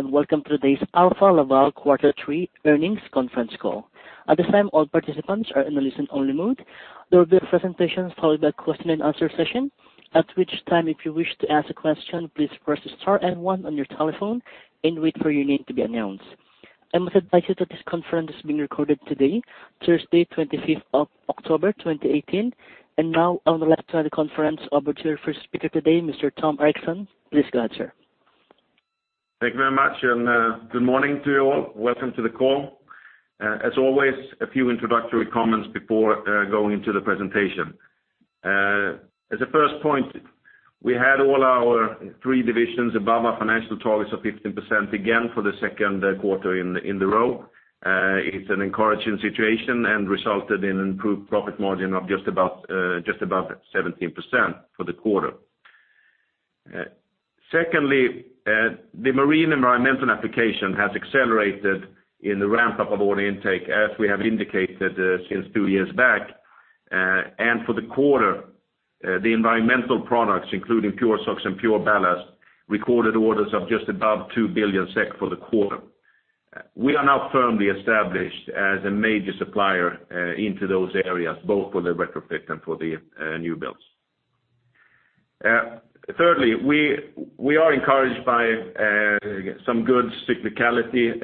Welcome to today's Alfa Laval Q3 Earnings Conference Call. At this time, all participants are in a listen-only mode. There will be a presentation followed by a question and answer session. At which time, if you wish to ask a question, please press star and one on your telephone and wait for your name to be announced. I must advise you that this conference is being recorded today, Thursday, 25th of October 2018. Now, I will let start the conference over to your first speaker today, Mr. Tom Erixon. Please go ahead, sir. Thank you very much. Good morning to you all. Welcome to the call. As always, a few introductory comments before going into the presentation. As a first point, we had all our three divisions above our financial targets of 15% again for the second quarter in a row. It's an encouraging situation and resulted in improved profit margin of just above 17% for the quarter. Secondly, the marine environmental application has accelerated in the ramp-up of order intake, as we have indicated since two years back. For the quarter, the environmental products, including PureSOx and PureBallast, recorded orders of just above 2 billion SEK for the quarter. We are now firmly established as a major supplier into those areas, both for the retrofit and for the new builds. Thirdly, we are encouraged by some good cyclicality,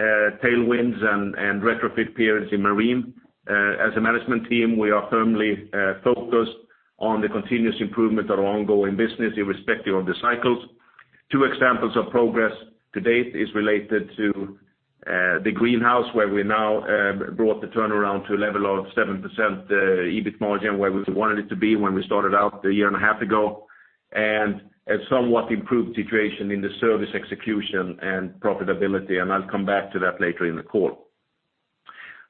tailwinds, and retrofit periods in marine. As a management team, we are firmly focused on the continuous improvement of our ongoing business, irrespective of the cycles. Two examples of progress to date is related to the Greenhouse, where we now brought the turnaround to a level of 7% EBIT margin, where we wanted it to be when we started out a year and a half ago. A somewhat improved situation in the service execution and profitability, and I'll come back to that later in the call.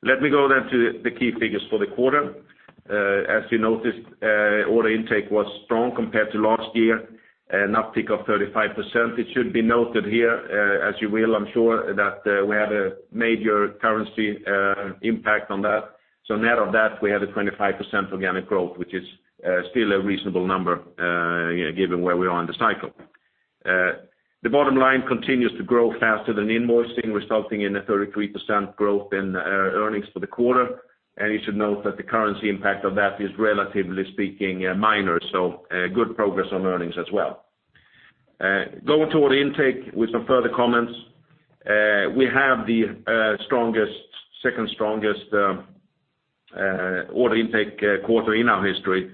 Let me go then to the key figures for the quarter. As you noticed, order intake was strong compared to last year, an uptick of 35%. It should be noted here, as you will, I'm sure, that we had a major currency impact on that. Net of that, we had a 25% organic growth, which is still a reasonable number, given where we are in the cycle. The bottom line continues to grow faster than invoicing, resulting in a 33% growth in earnings for the quarter. You should note that the currency impact of that is relatively speaking minor, so good progress on earnings as well. Going to order intake with some further comments. We have the second strongest order intake quarter in our history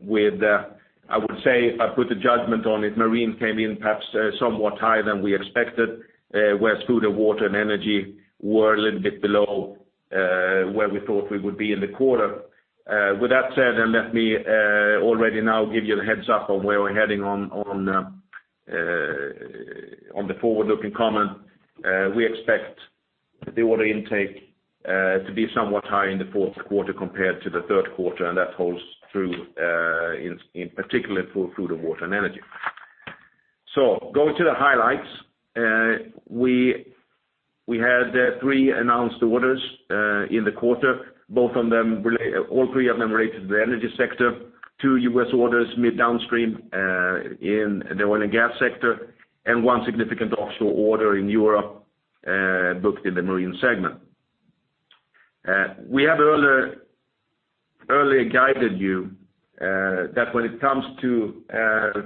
with, I would say, if I put a judgment on it, marine came in perhaps somewhat higher than we expected. Whereas food and water and energy were a little bit below where we thought we would be in the quarter. With that said, then let me already now give you the heads-up on where we're heading on the forward-looking comment. We expect the order intake to be somewhat high in the fourth quarter compared to the third quarter, and that holds true in particular for food and water and energy. Going to the highlights. We had three announced orders in the quarter. All three of them related to the energy sector. Two U.S. orders mid downstream in the oil and gas sector, and one significant offshore order in Europe booked in the marine segment. We have earlier guided you that when it comes to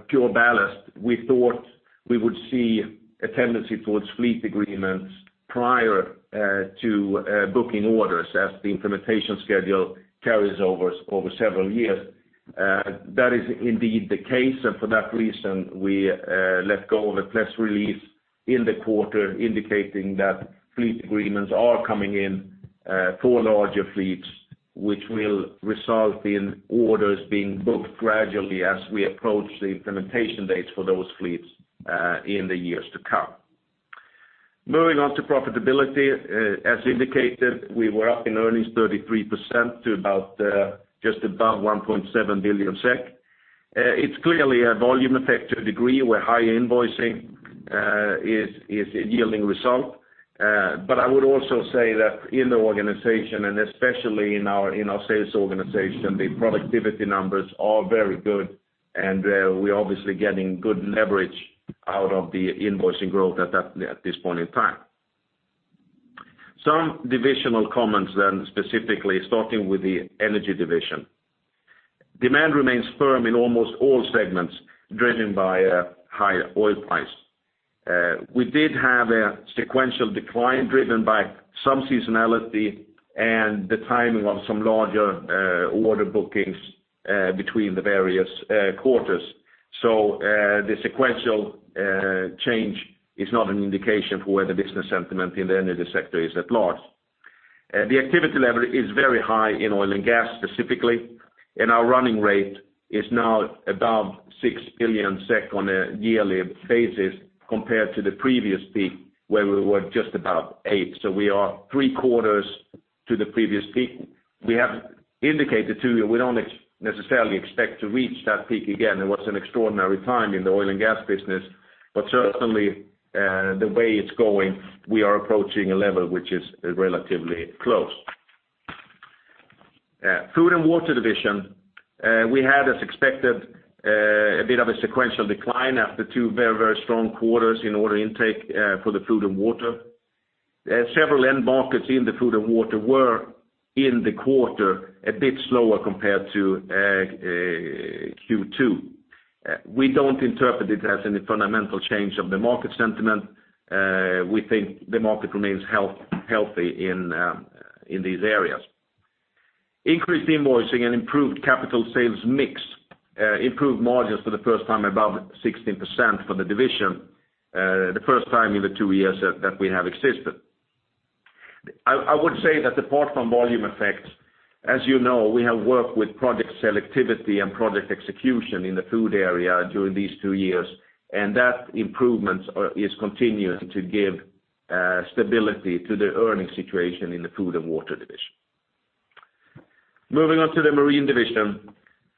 PureBallast, we thought we would see a tendency towards fleet agreements prior to booking orders as the implementation schedule carries over several years. That is indeed the case, and for that reason, we let go of a press release in the quarter indicating that fleet agreements are coming in for larger fleets, which will result in orders being booked gradually as we approach the implementation dates for those fleets in the years to come. Moving on to profitability. As indicated, we were up in earnings 33% to just above 1.7 billion SEK. It's clearly a volume effect to a degree, where high invoicing is yielding result. I would also say that in the organization, and especially in our sales organization, the productivity numbers are very good, and we're obviously getting good leverage out of the invoicing growth at this point in time. Some divisional comments specifically starting with the energy division. Demand remains firm in almost all segments, driven by a higher oil price. We did have a sequential decline driven by some seasonality and the timing of some larger order bookings between the various quarters. The sequential change is not an indication for where the business sentiment in the energy sector is at large. The activity level is very high in oil and gas specifically, and our running rate is now above 6 billion SEK on a yearly basis compared to the previous peak where we were just about eight. We are three-quarters to the previous peak. We have indicated to you, we don't necessarily expect to reach that peak again. It was an extraordinary time in the oil and gas business, but certainly, the way it's going, we are approaching a level which is relatively close. Food and Water division, we had, as expected, a bit of a sequential decline after two very strong quarters in order intake for the Food and Water. Several end markets in the Food and Water were, in the quarter, a bit slower compared to Q2. We don't interpret it as any fundamental change of the market sentiment. We think the market remains healthy in these areas. Increased invoicing and improved capital sales mix improved margins for the first time above 16% for the division, the first time in the two years that we have existed. I would say that apart from volume effects, as you know, we have worked with project selectivity and project execution in the food area during these two years, and that improvement is continuing to give stability to the earning situation in the Food and Water division. Moving on to the Marine division.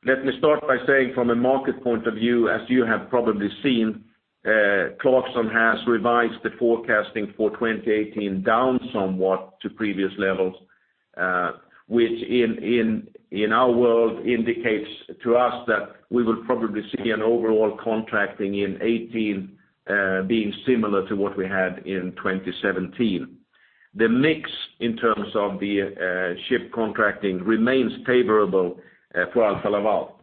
Let me start by saying from a market point of view, as you have probably seen, Clarksons has revised the forecasting for 2018 down somewhat to previous levels, which in our world indicates to us that we will probably see an overall contracting in 2018 being similar to what we had in 2017. The mix in terms of the ship contracting remains favorable for Alfa Laval,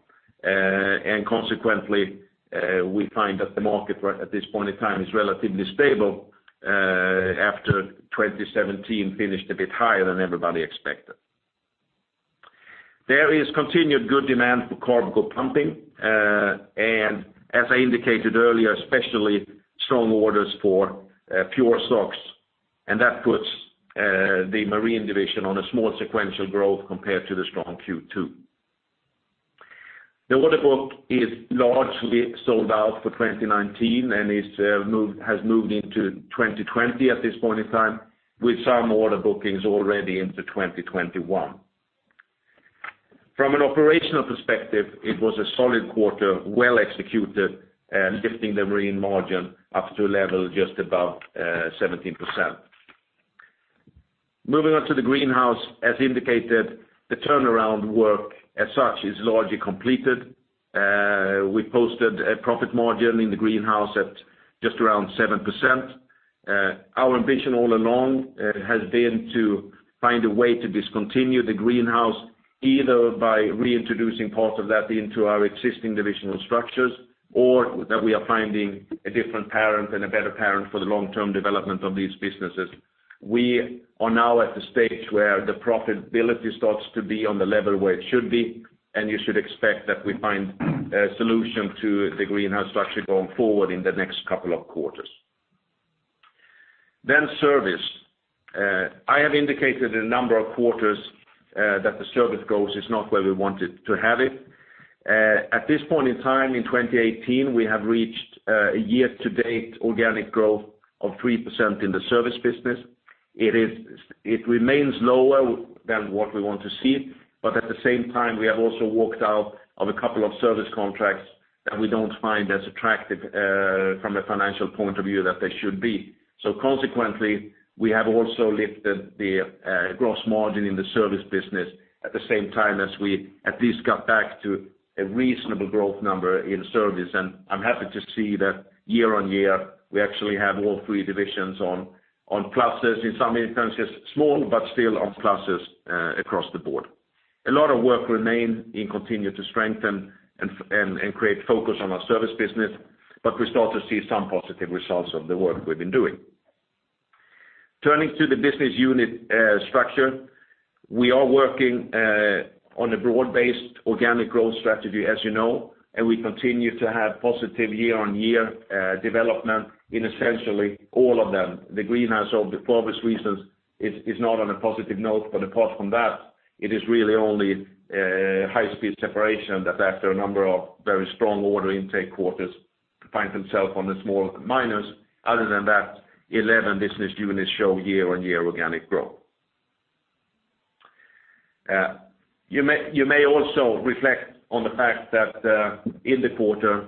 consequently, we find that the market at this point in time is relatively stable after 2017 finished a bit higher than everybody expected. There is continued good demand for cargo pumping, as I indicated earlier, especially strong orders for PureSOx. That puts the Marine division on a small sequential growth compared to the strong Q2. The order book is largely sold out for 2019 and has moved into 2020 at this point in time, with some order bookings already into 2021. From an operational perspective, it was a solid quarter, well executed, lifting the Marine margin up to a level just above 17%. Moving on to the Greenhouse. As indicated, the turnaround work as such is largely completed. We posted a profit margin in the Greenhouse at just around 7%. Our ambition all along has been to find a way to discontinue the Greenhouse, either by reintroducing parts of that into our existing divisional structures, or that we are finding a different parent and a better parent for the long-term development of these businesses. We are now at the stage where the profitability starts to be on the level where it should be, you should expect that we find a solution to the Greenhouse structure going forward in the next couple of quarters. Service. I have indicated a number of quarters that the service growth is not where we wanted to have it. At this point in time, in 2018, we have reached a year-to-date organic growth of 3% in the service business. It remains lower than what we want to see, at the same time, we have also walked out of a couple of service contracts that we don't find as attractive from a financial point of view that they should be. Consequently, we have also lifted the gross margin in the service business at the same time as we at least got back to a reasonable growth number in service. I'm happy to see that year on year, we actually have all three divisions on pluses, in some instances, small, but still on pluses across the board. A lot of work remains and continue to strengthen and create focus on our service business, we start to see some positive results of the work we've been doing. Turning to the business unit structure. We are working on a broad-based organic growth strategy, as you know, we continue to have positive year-on-year development in essentially all of them. The Greenhouse, for obvious reasons, is not on a positive note, apart from that, it is really only high-speed separation that after a number of very strong order intake quarters finds themselves on a small minus. Other than that, 11 business units show year-on-year organic growth. You may also reflect on the fact that in the quarter,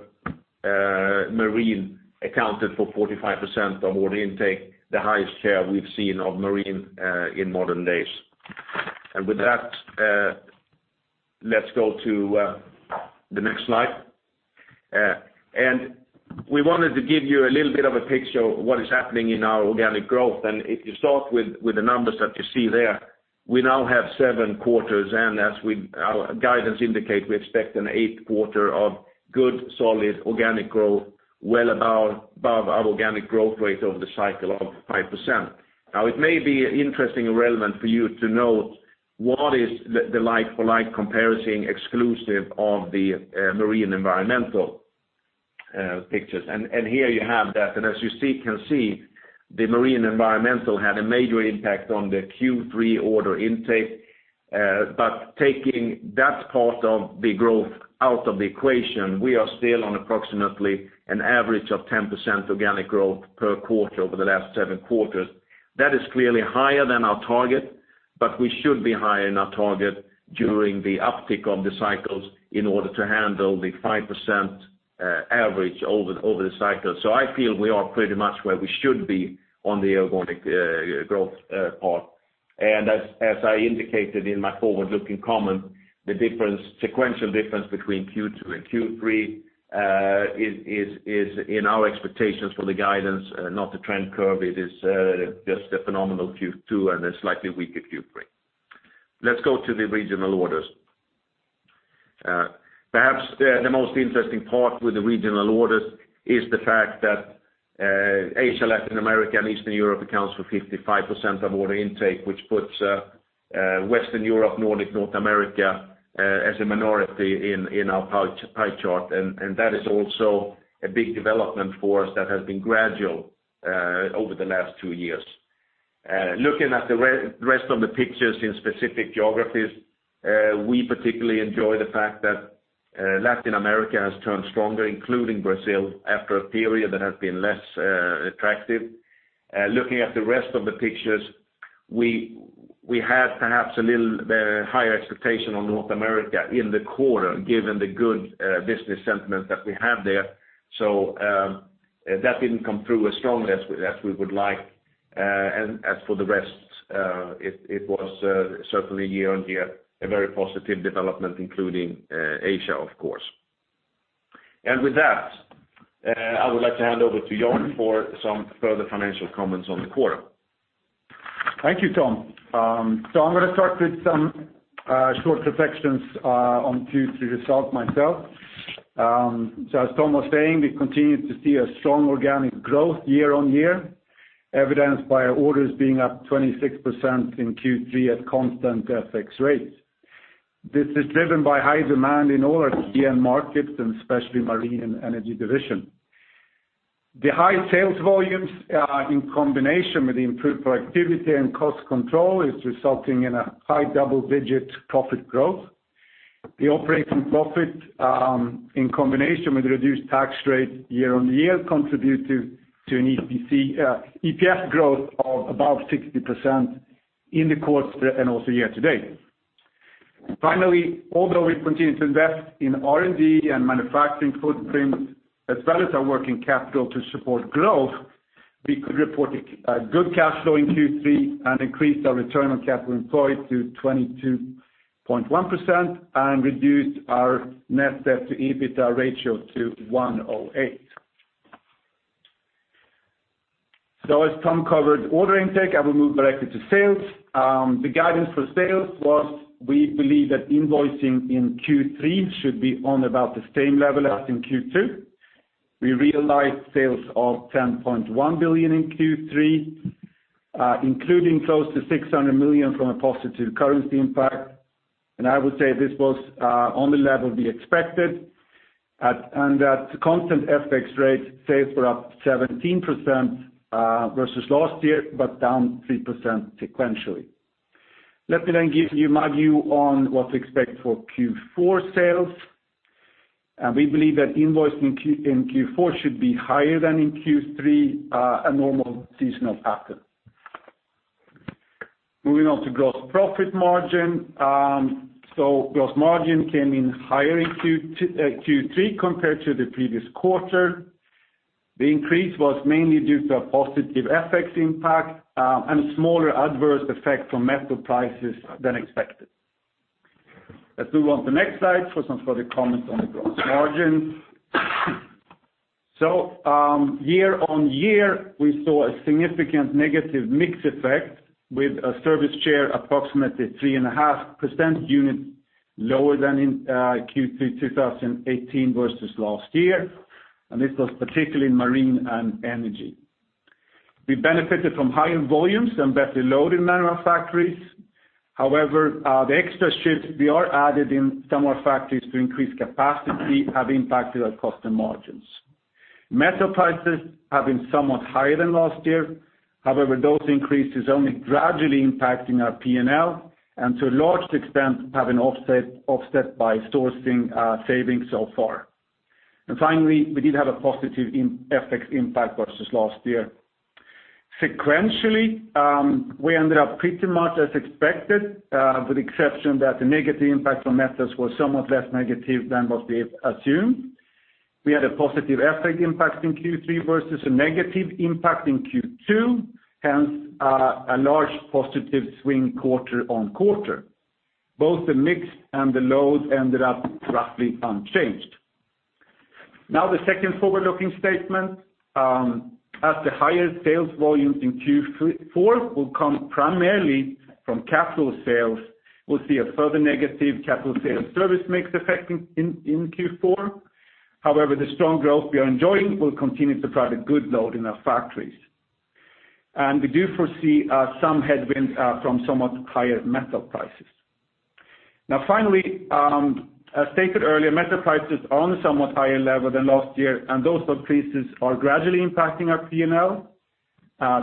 Marine accounted for 45% of order intake, the highest share we've seen of Marine in modern days. With that, let's go to the next slide. We wanted to give you a little bit of a picture of what is happening in our organic growth. If you start with the numbers that you see there, we now have seven quarters, and as our guidance indicate, we expect an eighth quarter of good, solid organic growth well above our organic growth rate over the cycle of 5%. Now, it may be interesting and relevant for you to know what is the like-for-like comparison exclusive of the Marine environmental pictures. Here you have that. As you can see, the Marine environmental had a major impact on the Q3 order intake. Taking that part of the growth out of the equation, we are still on approximately an average of 10% organic growth per quarter over the last seven quarters. That is clearly higher than our target, but we should be higher in our target during the uptick of the cycles in order to handle the 5% average over the cycle. I feel we are pretty much where we should be on the organic growth part. As I indicated in my forward-looking comment, the sequential difference between Q2 and Q3 is in our expectations for the guidance, not the trend curve. It is just a phenomenal Q2 and a slightly weaker Q3. Let's go to the regional orders. Perhaps the most interesting part with the regional orders is the fact that Asia, Latin America, and Eastern Europe accounts for 55% of order intake, which puts Western Europe, Nordic, North America as a minority in our pie chart. That is also a big development for us that has been gradual over the last two years. Looking at the rest of the pictures in specific geographies, we particularly enjoy the fact that Latin America has turned stronger, including Brazil, after a period that has been less attractive. Looking at the rest of the pictures, we had perhaps a little higher expectation on North America in the quarter, given the good business sentiment that we have there. That didn't come through as strongly as we would like. As for the rest, it was certainly year-on-year a very positive development, including Asia, of course. With that, I would like to hand over to Jan for some further financial comments on the quarter. Thank you, Tom. I'm going to start with some short reflections on Q3 results myself. As Tom was saying, we continue to see a strong organic growth year-on-year, evidenced by our orders being up 26% in Q3 at constant FX rates. This is driven by high demand in all our key end markets, and especially Marine & Energy division. The high sales volumes, in combination with the improved productivity and cost control, is resulting in a high double-digit profit growth. The operating profit, in combination with reduced tax rate year-on-year, contribute to an EPS growth of about 60% in the quarter and also year-to-date. Finally, although we continue to invest in R&D and manufacturing footprint, as well as our working capital to support growth, we could report a good cash flow in Q3 and increased our return on capital employed to 22.1% and reduced our net debt to EBITDA ratio to 1.08. As Tom covered order intake, I will move directly to sales. The guidance for sales was we believe that invoicing in Q3 should be on about the same level as in Q2. We realized sales of 10.1 billion in Q3, including close to 600 million from a positive currency impact. I would say this was on the level we expected, and at a constant FX rate, sales were up 17% versus last year, but down 3% sequentially. Let me then give you my view on what to expect for Q4 sales. We believe that invoice in Q4 should be higher than in Q3, a normal seasonal pattern. Moving on to gross profit margin. Gross margin came in higher in Q3 compared to the previous quarter. The increase was mainly due to a positive FX impact and a smaller adverse effect from metal prices than expected. Let's move on to the next slide for some further comments on the gross margin. Year on year, we saw a significant negative mix effect with a service share approximately 3.5% unit lower than in Q3 2018 versus last year, and this was particularly in marine and energy. We benefited from higher volumes and better load in manufacturing factories. However, the extra shifts we are added in some of our factories to increase capacity have impacted our cost and margins. Metal prices have been somewhat higher than last year. However, those increases only gradually impacting our P&L, and to a large extent have been offset by sourcing savings so far. Finally, we did have a positive FX impact versus last year. Sequentially, we ended up pretty much as expected, with the exception that the negative impact on metals was somewhat less negative than what we assumed. We had a positive FX impact in Q3 versus a negative impact in Q2, hence a large positive swing quarter on quarter. Both the mix and the load ended up roughly unchanged. Now the second forward-looking statement. As the higher sales volumes in Q4 will come primarily from capital sales, we'll see a further negative capital sales service mix effect in Q4. However, the strong growth we are enjoying will continue to drive a good load in our factories. We do foresee some headwinds from somewhat higher metal prices. Finally, as stated earlier, metal prices are on a somewhat higher level than last year, and those increases are gradually impacting our P&L.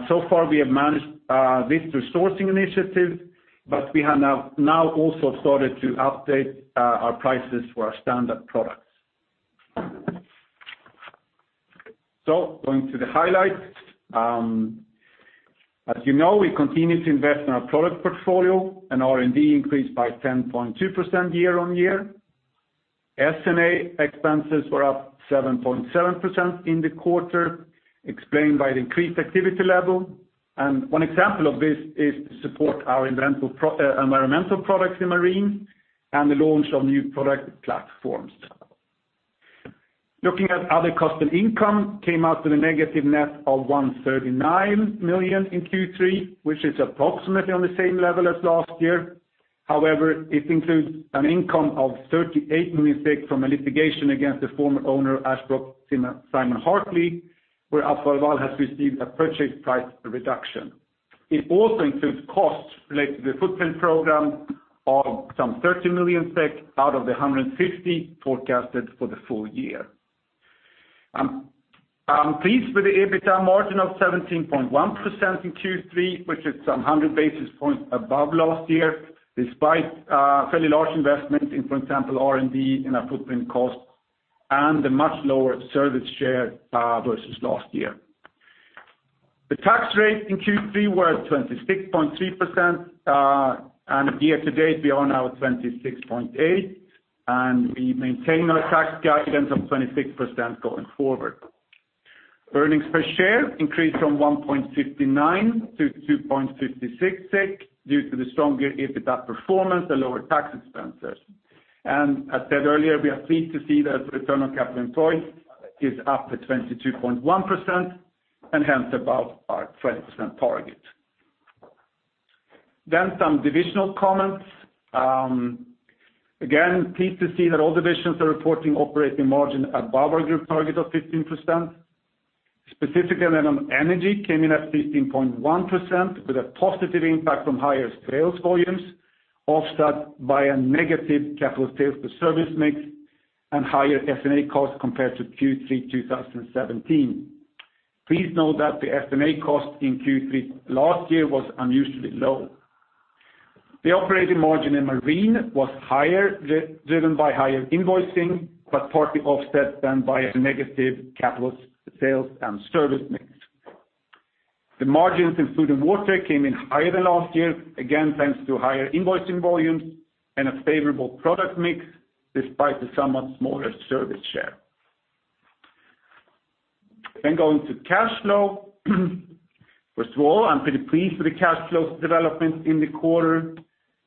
So far, we have managed this through sourcing initiatives, but we have now also started to update our prices for our standard products. Going to the highlights. As you know, we continue to invest in our product portfolio, R&D increased by 10.2% year on year. S&A expenses were up 7.7% in the quarter, explained by the increased activity level. One example of this is to support our environmental products in marine, and the launch of new product platforms. Looking at other costs and income, came out to the negative net of 139 million in Q3, which is approximately on the same level as last year. However, it includes an income of 38 million from a litigation against the former owner, Ashbrook Simon-Hartley, where Alfa Laval has received a purchase price reduction. It also includes costs related to the footprint program of some 30 million SEK out of the 150 forecasted for the full year. I'm pleased with the EBITDA margin of 17.1% in Q3, which is some hundred basis points above last year, despite fairly large investments in, for example, R&D and our footprint cost, and the much lower service share versus last year. The tax rate in Q3 were 26.3%, and year to date, we are now at 26.8%, and we maintain our tax guidance of 26% going forward. Earnings per share increased from 1.59 to 2.56 SEK due to the stronger EBITDA performance and lower tax expenses. As said earlier, we are pleased to see that return on capital employed is up to 22.1%, and hence above our 20% target. Some divisional comments. Again, pleased to see that all divisions are reporting operating margin above our group target of 15%. Specifically, Energy came in at 15.1% with a positive impact from higher sales volumes, offset by a negative capital sales to service mix and higher S&A costs compared to Q3 2017. Please note that the S&A cost in Q3 last year was unusually low. The operating margin in Marine was higher, driven by higher invoicing, but partly offset then by a negative capital sales and service mix. The margins in Food and Water came in higher than last year, again thanks to higher invoicing volumes and a favorable product mix despite the somewhat smaller service share. Going to cash flow. First of all, I'm pretty pleased with the cash flow development in the quarter.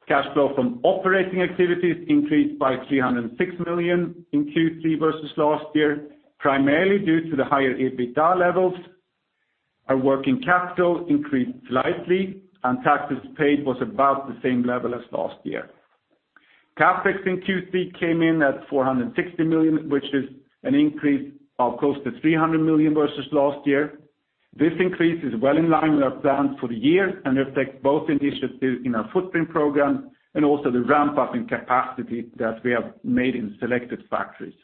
Cash flow from operating activities increased by 306 million in Q3 versus last year, primarily due to the higher EBITDA levels. Our working capital increased slightly, and taxes paid was about the same level as last year. CapEx in Q3 came in at 460 million, which is an increase of close to 300 million versus last year. This increase is well in line with our plans for the year and reflects both initiatives in our footprint program and also the ramp-up in capacity that we have made in selected factories.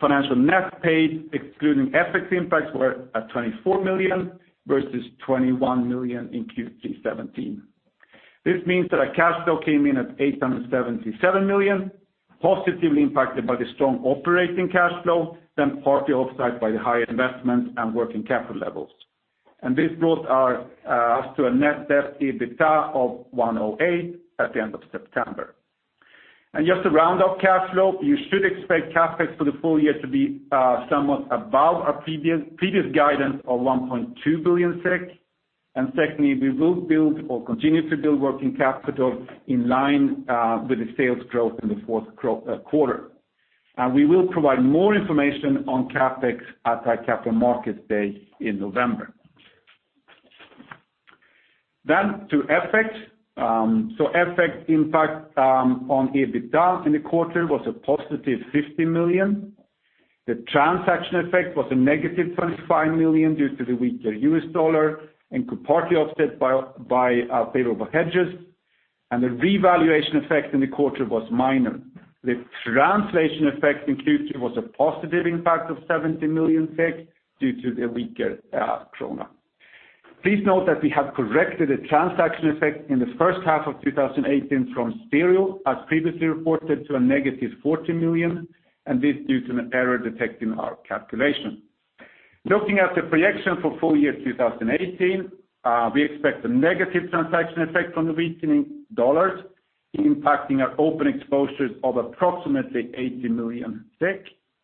Financial net paid, excluding FX impacts, were at 24 million, versus 21 million in Q3 2017. This means that our cash flow came in at 877 million, positively impacted by the strong operating cash flow, then partly offset by the high investment and working capital levels. This brought us to a net debt to EBITDA of 108 at the end of September. Just to round off cash flow, you should expect CapEx for the full year to be somewhat above our previous guidance of 1.2 billion SEK. Secondly, we will build or continue to build working capital in line with the sales growth in the fourth quarter. We will provide more information on CapEx at our Capital Markets Day in November. To FX. FX impact on EBITDA in the quarter was a positive 50 million. The transaction effect was a negative $25 million due to the weaker US dollar, and could partly offset by our favorable hedges, and the revaluation effect in the quarter was minor. The translation effect in Q3 was a positive impact of 70 million due to the weaker krona. Please note that we have corrected the transaction effect in the first half of 2018 from 0, as previously reported, to a negative 40 million, due to an error detected in our calculation. Looking at the projection for full year 2018, we expect a negative transaction effect from the weakening U.S. dollars, impacting our open exposures of approximately 80 million.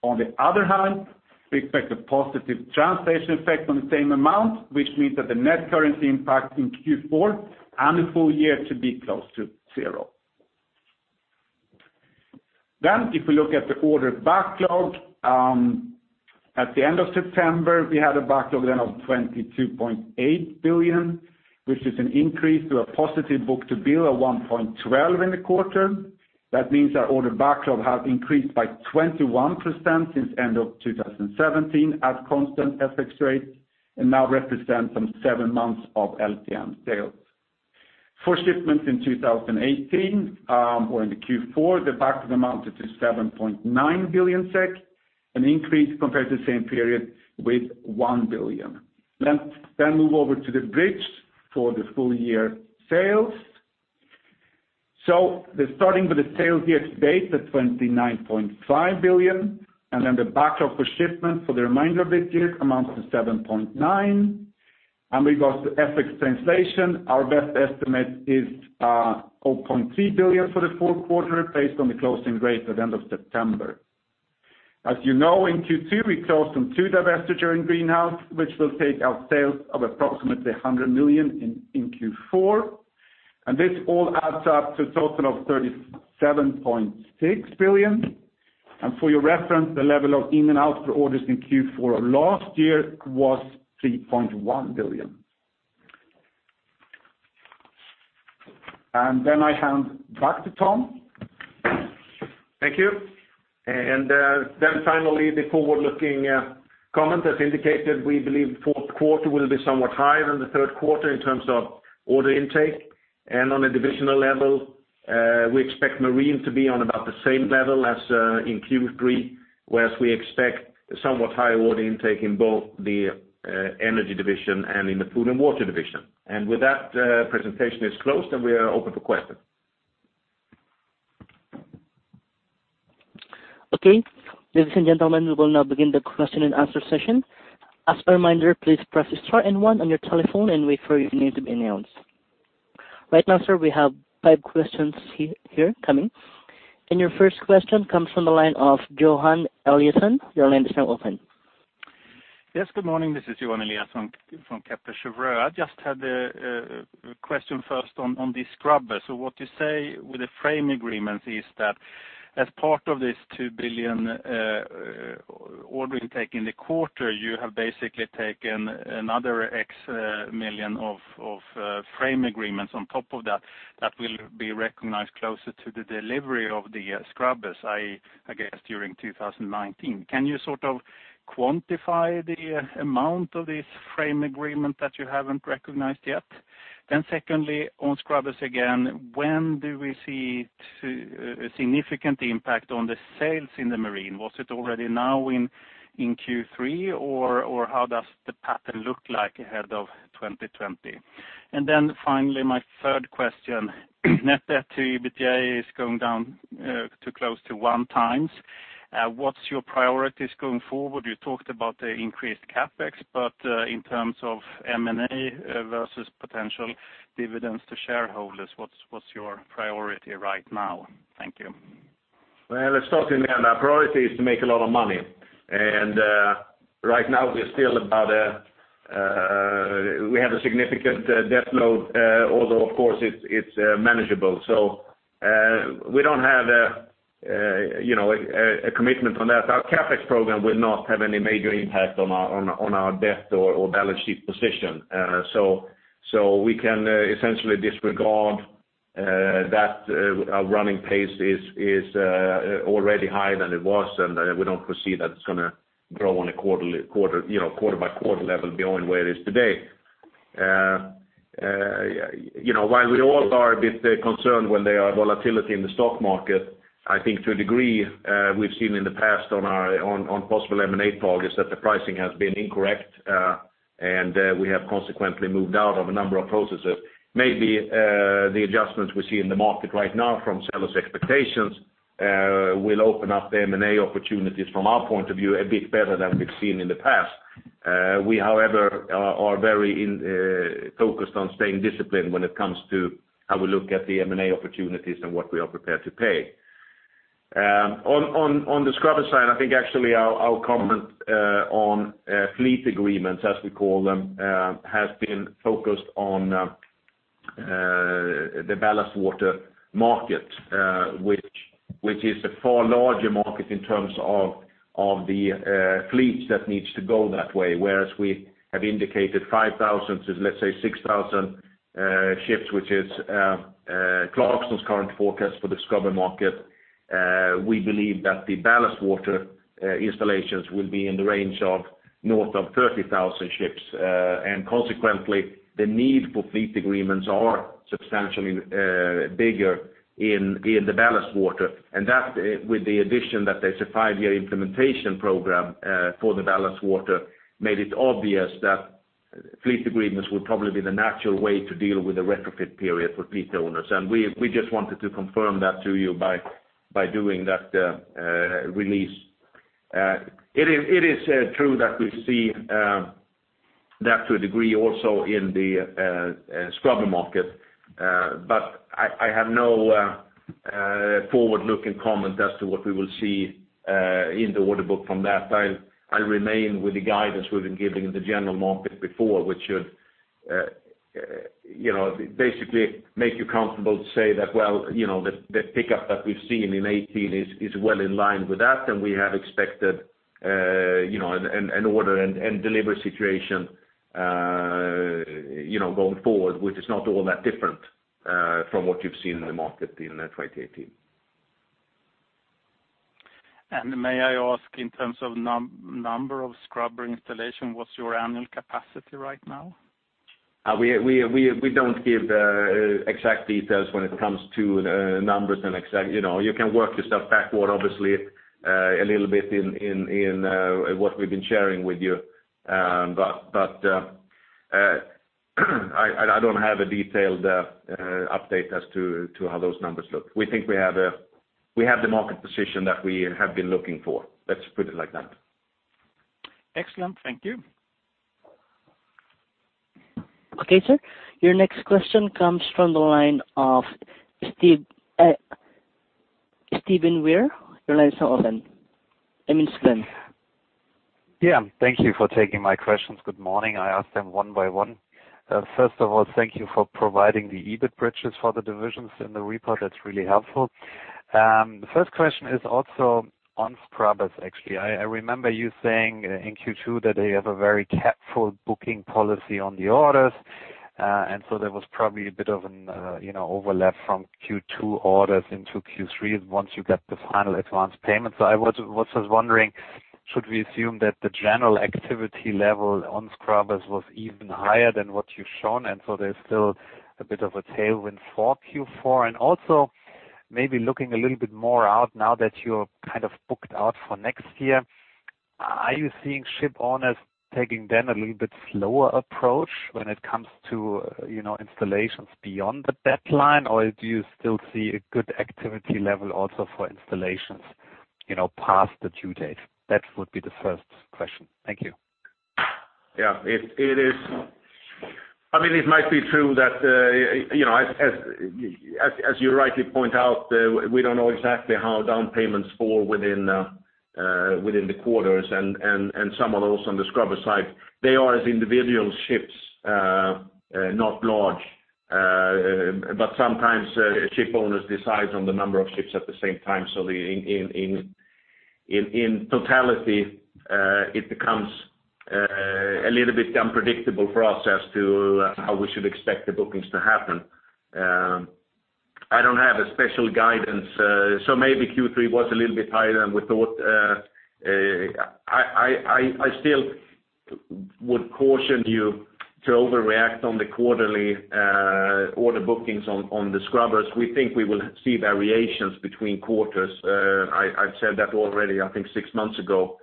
On the other hand, we expect a positive translation effect on the same amount, which means that the net currency impact in Q4 and the full year to be close to 0. If we look at the order backlog. At the end of September, we had a backlog of 22.8 billion, which is an increase to a positive book to bill of 1.12 in the quarter. That means our order backlog has increased by 21% since end of 2017 at constant FX rates and now represents some seven months of LTM sales. For shipments in 2018 or in the Q4, the backlog amounted to 7.9 billion SEK, an increase compared to the same period with 1 billion. Let's move over to the bridge for the full year sales. Starting with the sales year to date at 29.5 billion, the backlog for shipment for the remainder of this year amounts to 7.9 billion. Regarding FX translation, our best estimate is 0.3 billion for the fourth quarter based on the closing rate at the end of September. As you know, in Q2, we closed on two divestitures in Greenhouse, which will take our sales of approximately 100 million in Q4. This all adds up to a total of 37.6 billion. For your reference, the level of in and out for orders in Q4 of last year was 3.1 billion. I hand back to Tom. Thank you. Finally, the forward-looking comment has indicated we believe fourth quarter will be somewhat higher than the third quarter in terms of order intake. On a divisional level, we expect Marine to be on about the same level as in Q3, whereas we expect somewhat higher order intake in both the Energy division and in the Food and Water division. With that, presentation is closed, and we are open for questions. Okay. Ladies and gentlemen, we will now begin the question and answer session. As a reminder, please press star and one on your telephone and wait for your name to be announced. Right now, sir, we have five questions here coming. Your first question comes from the line of Johan Eliason. Your line is now open. Yes, good morning. This is Johan Eliason from Kepler Cheuvreux. I just had a question first on the scrubber. What you say with the frame agreements is that as part of this 2 billion order intake in the quarter, you have basically taken another SEK X million of frame agreements on top of that will be recognized closer to the delivery of the scrubbers, I guess during 2019. Can you sort of quantify the amount of this frame agreement that you haven't recognized yet? Secondly, on scrubbers again, when do we see a significant impact on the sales in the Marine? Was it already now in Q3, or how does the pattern look like ahead of 2020? Finally, my third question, net debt to EBITDA is going down to close to one times. What's your priorities going forward? You talked about the increased CapEx, in terms of M&A versus potential dividends to shareholders, what's your priority right now? Thank you. Well, let's start in the end, our priority is to make a lot of money. Right now we have a significant debt load, although of course it's manageable. We don't have a commitment on that. Our CapEx program will not have any major impact on our debt or balance sheet position. We can essentially disregard that our running pace is already higher than it was, and we don't foresee that it's going to grow on a quarter by quarter level beyond where it is today. While we all are a bit concerned when there are volatility in the stock market, I think to a degree, we've seen in the past on possible M&A targets that the pricing has been incorrect, and we have consequently moved out of a number of processes. Maybe the adjustments we see in the market right now from sellers' expectations will open up M&A opportunities from our point of view a bit better than we've seen in the past. We, however, are very focused on staying disciplined when it comes to how we look at the M&A opportunities and what we are prepared to pay. On the scrubber side, I think actually our comment on fleet agreements, as we call them, has been focused on the ballast water market, which is a far larger market in terms of the fleets that needs to go that way. Whereas we have indicated 5,000 to let's say 6,000 ships, which is Clarksons' current forecast for the scrubber market. We believe that the ballast water installations will be in the range of north of 30,000 ships. Consequently, the need for fleet agreements are substantially bigger in the ballast water. That with the addition that there's a five-year implementation program for the ballast water, made it obvious that fleet agreements would probably be the natural way to deal with the retrofit period for fleet owners. We just wanted to confirm that to you by doing that release. It is true that we see that to a degree also in the scrubber market. I have no forward-looking comment as to what we will see in the order book from that. I remain with the guidance we've been giving in the general market before, which should basically make you comfortable to say that, well, the pickup that we've seen in 2018 is well in line with that, and we have expected an order and delivery situation going forward, which is not all that different from what you've seen in the market in 2018. May I ask, in terms of number of scrubber installation, what's your annual capacity right now? We don't give the exact details when it comes to numbers. You can work yourself backward, obviously, a little bit in what we've been sharing with you. I don't have a detailed update as to how those numbers look. We think we have a We have the market position that we have been looking for. Let's put it like that. Excellent. Thank you. Okay, sir. Your next question comes from the line of Sven Weier. Your line is now open. I mean, Sven. Yeah. Thank you for taking my questions. Good morning. I ask them one by one. First of all, thank you for providing the EBIT bridges for the divisions in the report. That's really helpful. First question is also on scrubbers, actually. I remember you saying in Q2 that they have a very careful booking policy on the orders. That was probably a bit of an overlap from Q2 orders into Q3 once you get the final advance payment. I was just wondering, should we assume that the general activity level on scrubbers was even higher than what you've shown, and so there's still a bit of a tailwind for Q4? Also maybe looking a little bit more out now that you're booked out for next year, are you seeing ship owners taking then a little bit slower approach when it comes to installations beyond the deadline, or do you still see a good activity level also for installations past the due date? That would be the first question. Thank you. Yeah. It might be true that, as you rightly point out, we don't know exactly how down payments fall within the quarters and some of those on the scrubber side. They are as individual ships, not large. Sometimes ship owners decide on the number of ships at the same time. In totality, it becomes a little bit unpredictable for us as to how we should expect the bookings to happen. I don't have a special guidance. Maybe Q3 was a little bit higher than we thought. I still would caution you to overreact on the quarterly order bookings on the scrubbers. We think we will see variations between quarters. I've said that already, I think six months ago.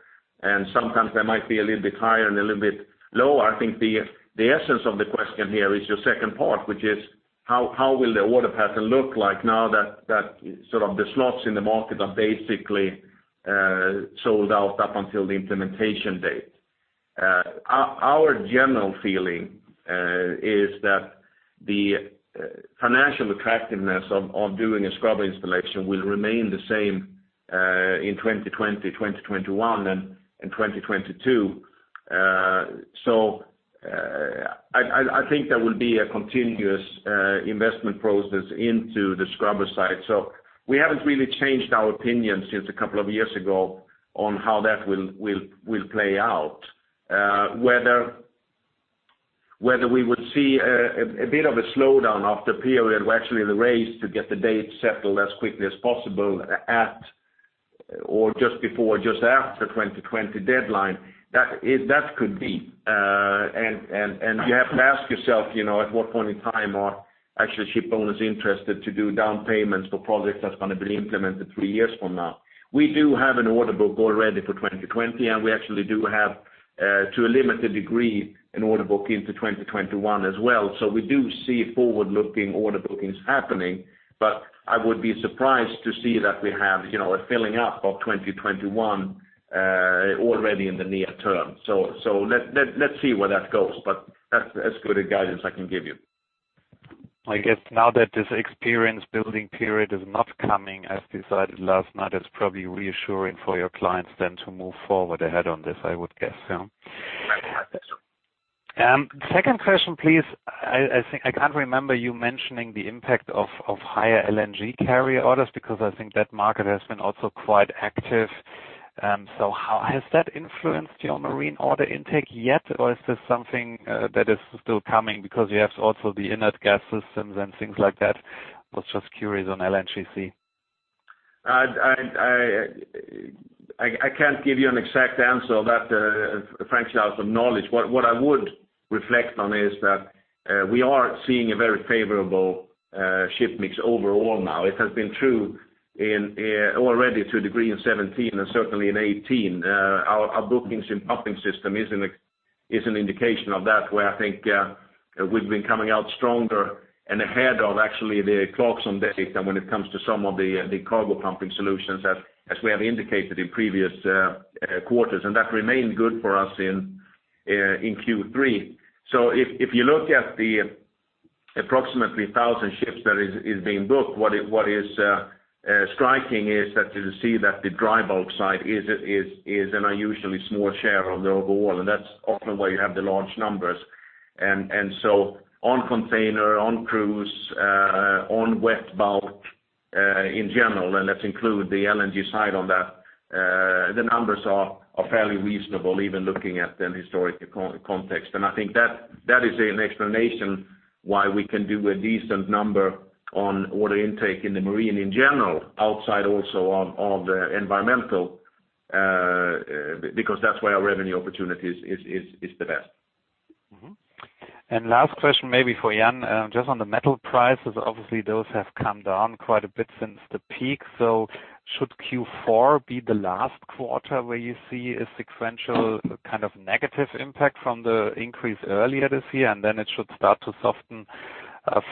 Sometimes they might be a little bit higher and a little bit lower. I think the essence of the question here is your second part, which is how will the order pattern look like now that the slots in the market are basically sold out up until the implementation date? Our general feeling is that the financial attractiveness of doing a scrubber installation will remain the same, in 2020, 2021, and 2022. I think there will be a continuous investment process into the scrubber side. We haven't really changed our opinion since a couple of years ago on how that will play out. Whether we would see a bit of a slowdown after a period where actually the race to get the date settled as quickly as possible at or just before or just after 2020 deadline. That could be. You have to ask yourself, at what point in time are actually ship owners interested to do down payments for projects that's going to be implemented three years from now? We do have an order book already for 2020, and we actually do have, to a limited degree, an order book into 2021 as well. We do see forward-looking order bookings happening, but I would be surprised to see that we have a filling up of 2021 already in the near term. Let's see where that goes, but that's as good a guidance I can give you. I guess now that this experience building period is not coming as decided last night, it's probably reassuring for your clients then to move forward ahead on this, I would guess so. Right. Second question, please. I can't remember you mentioning the impact of higher LNG carrier orders, because I think that market has been also quite active. How has that influenced your marine order intake yet, or is this something that is still coming because you have also the inert gas systems and things like that? I was just curious on LNGC. I can't give you an exact answer on that, frankly, out of knowledge. What I would reflect on is that we are seeing a very favorable ship mix overall now. It has been true already to a degree in 2017 and certainly in 2018. Our bookings and pumping system is an indication of that, where I think we've been coming out stronger and ahead of actually the Clarksons data when it comes to some of the cargo pumping solutions as we have indicated in previous quarters. That remained good for us in Q3. If you look at the approximately 1,000 ships that is being booked, what is striking is that you'll see that the dry bulk side is an unusually small share of the overall, and that's often where you have the large numbers. On container, on cruise, on wet bulk, in general, and let's include the LNG side on that. The numbers are fairly reasonable, even looking at them historic context. I think that is an explanation why we can do a decent number on order intake in the marine in general, outside also of the environmental, because that's where our revenue opportunity is the best. Last question, maybe for Jan, just on the metal prices. Obviously, those have come down quite a bit since the peak. Should Q4 be the last quarter where you see a sequential kind of negative impact from the increase earlier this year, and then it should start to soften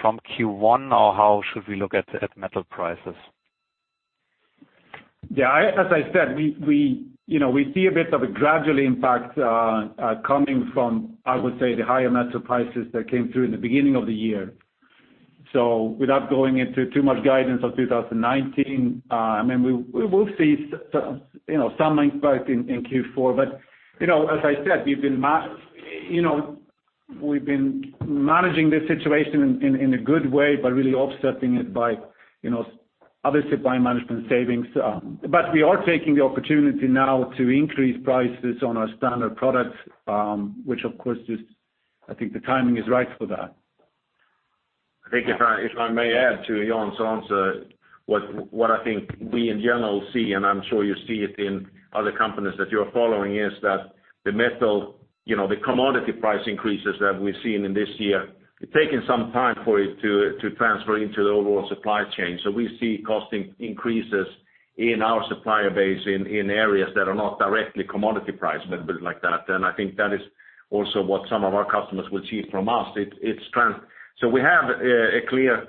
from Q1, or how should we look at metal prices? As I said, we see a bit of a gradual impact coming from, I would say, the higher metal prices that came through in the beginning of the year. Without going into too much guidance of 2019, we will see some impact in Q4. As I said, we've been managing this situation in a good way by really offsetting it by other supply management savings. We are taking the opportunity now to increase prices on our standard products, which, of course, I think the timing is right for that. I think if I may add to Jan's answer, what I think we in general see, and I'm sure you see it in other companies that you're following, is that the metal, the commodity price increases that we've seen in this year, it's taking some time for it to transfer into the overall supply chain. We see costing increases in our supplier base in areas that are not directly commodity price, but a bit like that. I think that is also what some of our customers will see from us. We have a clear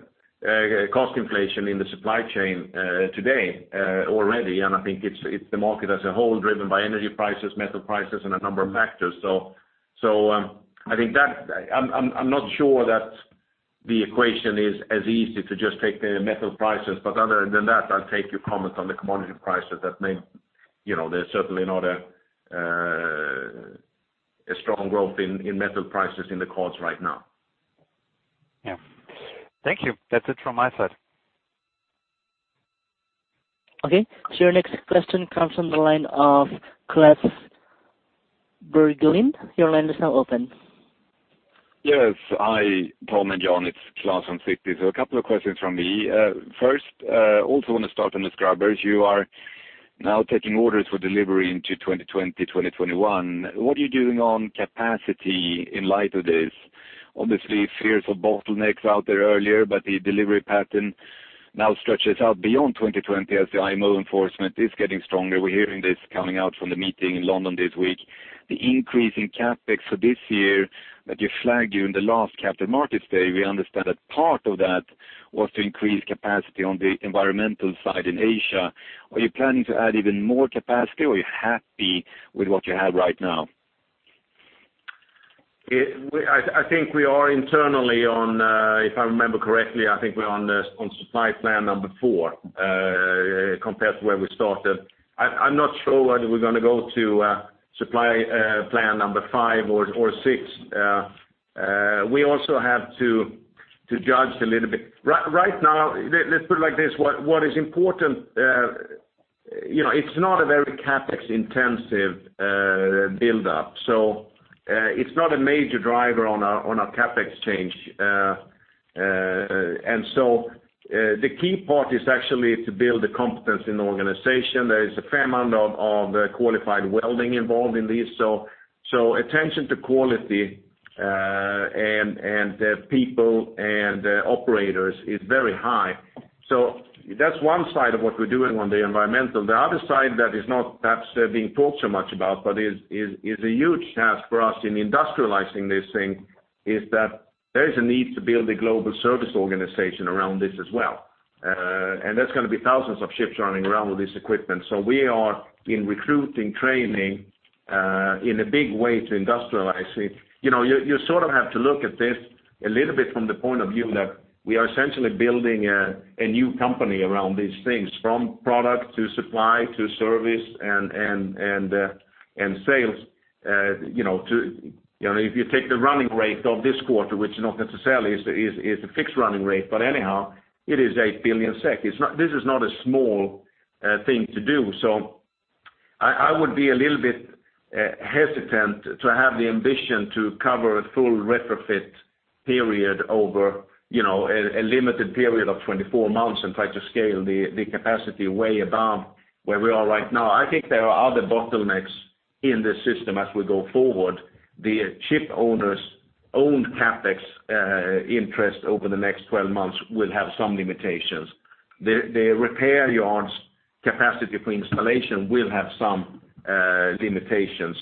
cost inflation in the supply chain today already. I think it's the market as a whole, driven by energy prices, metal prices, and a number of factors. I'm not sure that the equation is as easy to just take the metal prices. Other than that, I'll take your comment on the commodity prices. There's certainly not a strong growth in metal prices in the cores right now. Thank you. That's it from my side. Okay. Your next question comes from the line of Klas Bergelind. Your line is now open. Yes. Hi, Tom and Jan, it's Klas from Citi. A couple of questions from me. First, also want to start on the scrubbers. You are now taking orders for delivery into 2020, 2021. What are you doing on capacity in light of this? Obviously, fears of bottlenecks out there earlier, but the delivery pattern now stretches out beyond 2020 as the IMO enforcement is getting stronger. We're hearing this coming out from the meeting in London this week. The increase in CapEx for this year that you flagged during the last Capital Markets Day, we understand that part of that was to increase capacity on the environmental side in Asia. Are you planning to add even more capacity, or are you happy with what you have right now? I think we are internally on, if I remember correctly, I think we're on supply plan number 4, compared to where we started. I'm not sure whether we're going to go to supply plan number 5 or 6. We also have to judge a little bit. Right now, let's put it like this, what is important, it's not a very CapEx-intensive buildup. It's not a major driver on our CapEx change. The key part is actually to build the competence in the organization. There is a fair amount of qualified welding involved in these. Attention to quality, and people, and operators is very high. That's one side of what we're doing on the environmental. The other side that is not perhaps being talked so much about, but is a huge task for us in industrializing this thing, is that there is a need to build a global service organization around this as well. There's going to be thousands of ships running around with this equipment. We are in recruiting, training, in a big way to industrialize it. You sort of have to look at this a little bit from the point of view that we are essentially building a new company around these things, from product to supply to service and sales. If you take the running rate of this quarter, which not necessarily is a fixed running rate, but anyhow, it is 8 billion SEK. This is not a small thing to do. I would be a little bit hesitant to have the ambition to cover a full retrofit period over a limited period of 24 months and try to scale the capacity way above where we are right now. I think there are other bottlenecks in the system as we go forward. The ship owners' own CapEx interest over the next 12 months will have some limitations. The repair yards' capacity for installation will have some limitations.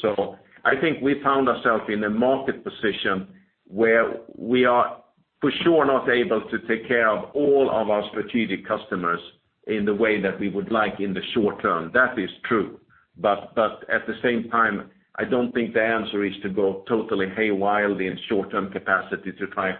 I think we found ourselves in a market position where we are for sure not able to take care of all of our strategic customers in the way that we would like in the short term. That is true. At the same time, I don't think the answer is to go totally haywire in short-term capacity to try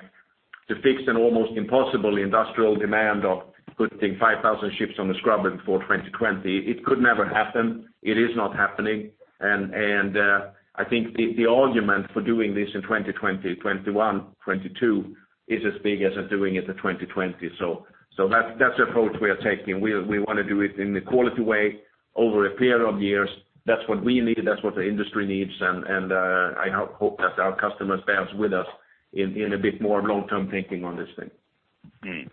to fix an almost impossible industrial demand of putting 5,000 ships on the scrubber before 2020. It could never happen. It is not happening. I think the argument for doing this in 2020, 2021, 2022 is as big as doing it at 2020. That's the approach we are taking. We want to do it in a quality way over a period of years. That's what we need, that's what the industry needs, I hope that our customers bear with us in a bit more long-term thinking on this thing.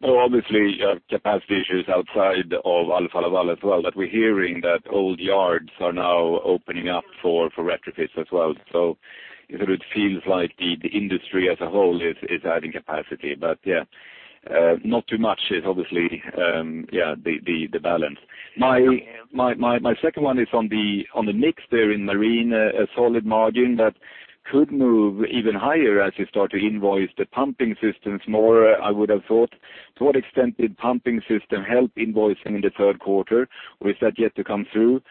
Well, obviously, capacity issues outside of Alfa Laval as well, we're hearing that old yards are now opening up for retrofits as well. It feels like the industry as a whole is adding capacity. Yeah. Not too much is obviously the balance. My second one is on the mix there in marine, a solid margin that could move even higher as you start to invoice the pumping systems more, I would have thought. To what extent did pumping system help invoicing in the third quarter? Is that yet to come through?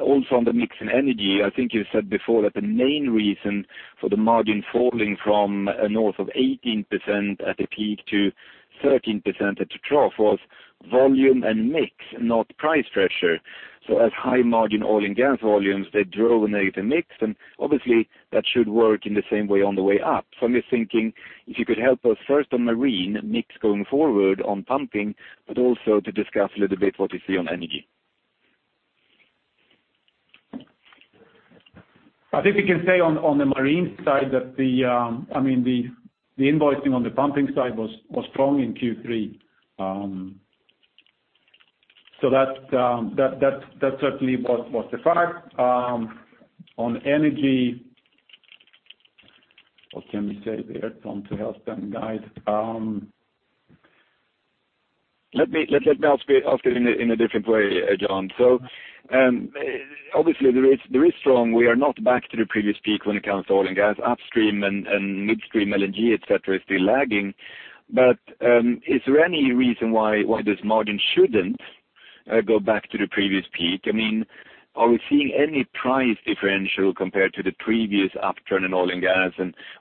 Also on the mix in energy, I think you said before that the main reason for the margin falling from north of 18% at the peak to 13% at the trough was volume and mix, not price pressure. As high margin oil and gas volumes, they drove a negative mix, obviously that should work in the same way on the way up. I'm just thinking, if you could help us first on marine mix going forward on pumping, also to discuss a little bit what you see on energy. I think we can say on the marine side that the invoicing on the pumping side was strong in Q3. That certainly was the fact. On energy, what can we say there, Tom, to help them guide? Let me ask it in a different way, Jan. Obviously the risk is strong. We are not back to the previous peak when it comes to oil and gas upstream and midstream LNG, et cetera, is still lagging. Is there any reason why this margin shouldn't go back to the previous peak? Are we seeing any price differential compared to the previous upturn in oil and gas?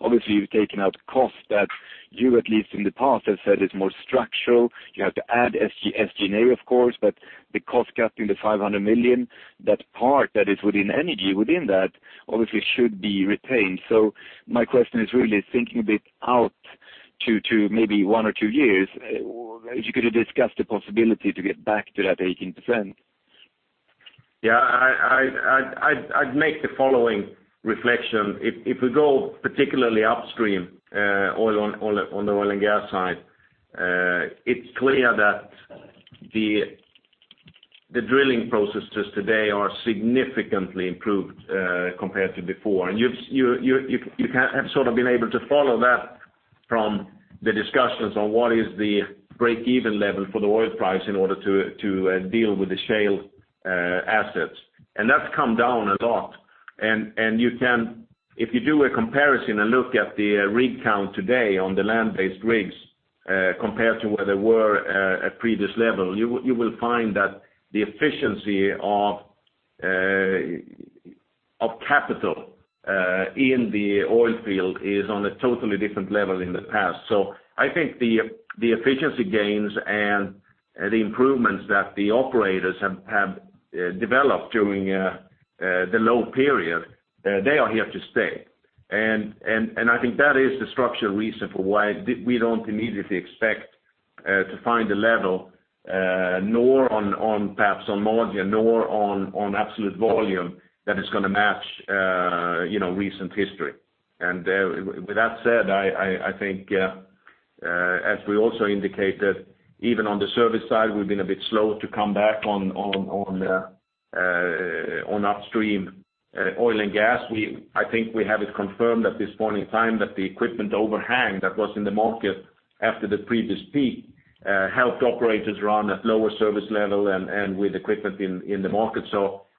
Obviously you've taken out cost that you, at least in the past, have said it's more structural. You have to add SG&A, of course, but the cost cutting, the 500 million, that part that is within energy within that obviously should be retained. My question is really thinking a bit out to maybe one or two years, if you could discuss the possibility to get back to that 18%. Yeah, I'd make the following reflection. If we go particularly upstream on the oil and gas side, it's clear that the drilling processes today are significantly improved compared to before. You have sort of been able to follow that from the discussions on what is the break-even level for the oil price in order to deal with the shale assets. That's come down a lot. If you do a comparison and look at the rig count today on the land-based rigs, compared to where they were at previous level, you will find that the efficiency of capital in the oil field is on a totally different level in the past. I think the efficiency gains and the improvements that the operators have developed during the low period, they are here to stay. I think that is the structural reason for why we don't immediately expect to find a level nor on perhaps on margin, nor on absolute volume that is going to match recent history. With that said, I think as we also indicated, even on the service side, we've been a bit slow to come back on upstream oil and gas. I think we have it confirmed at this point in time that the equipment overhang that was in the market after the previous peak helped operators run at lower service level and with equipment in the market.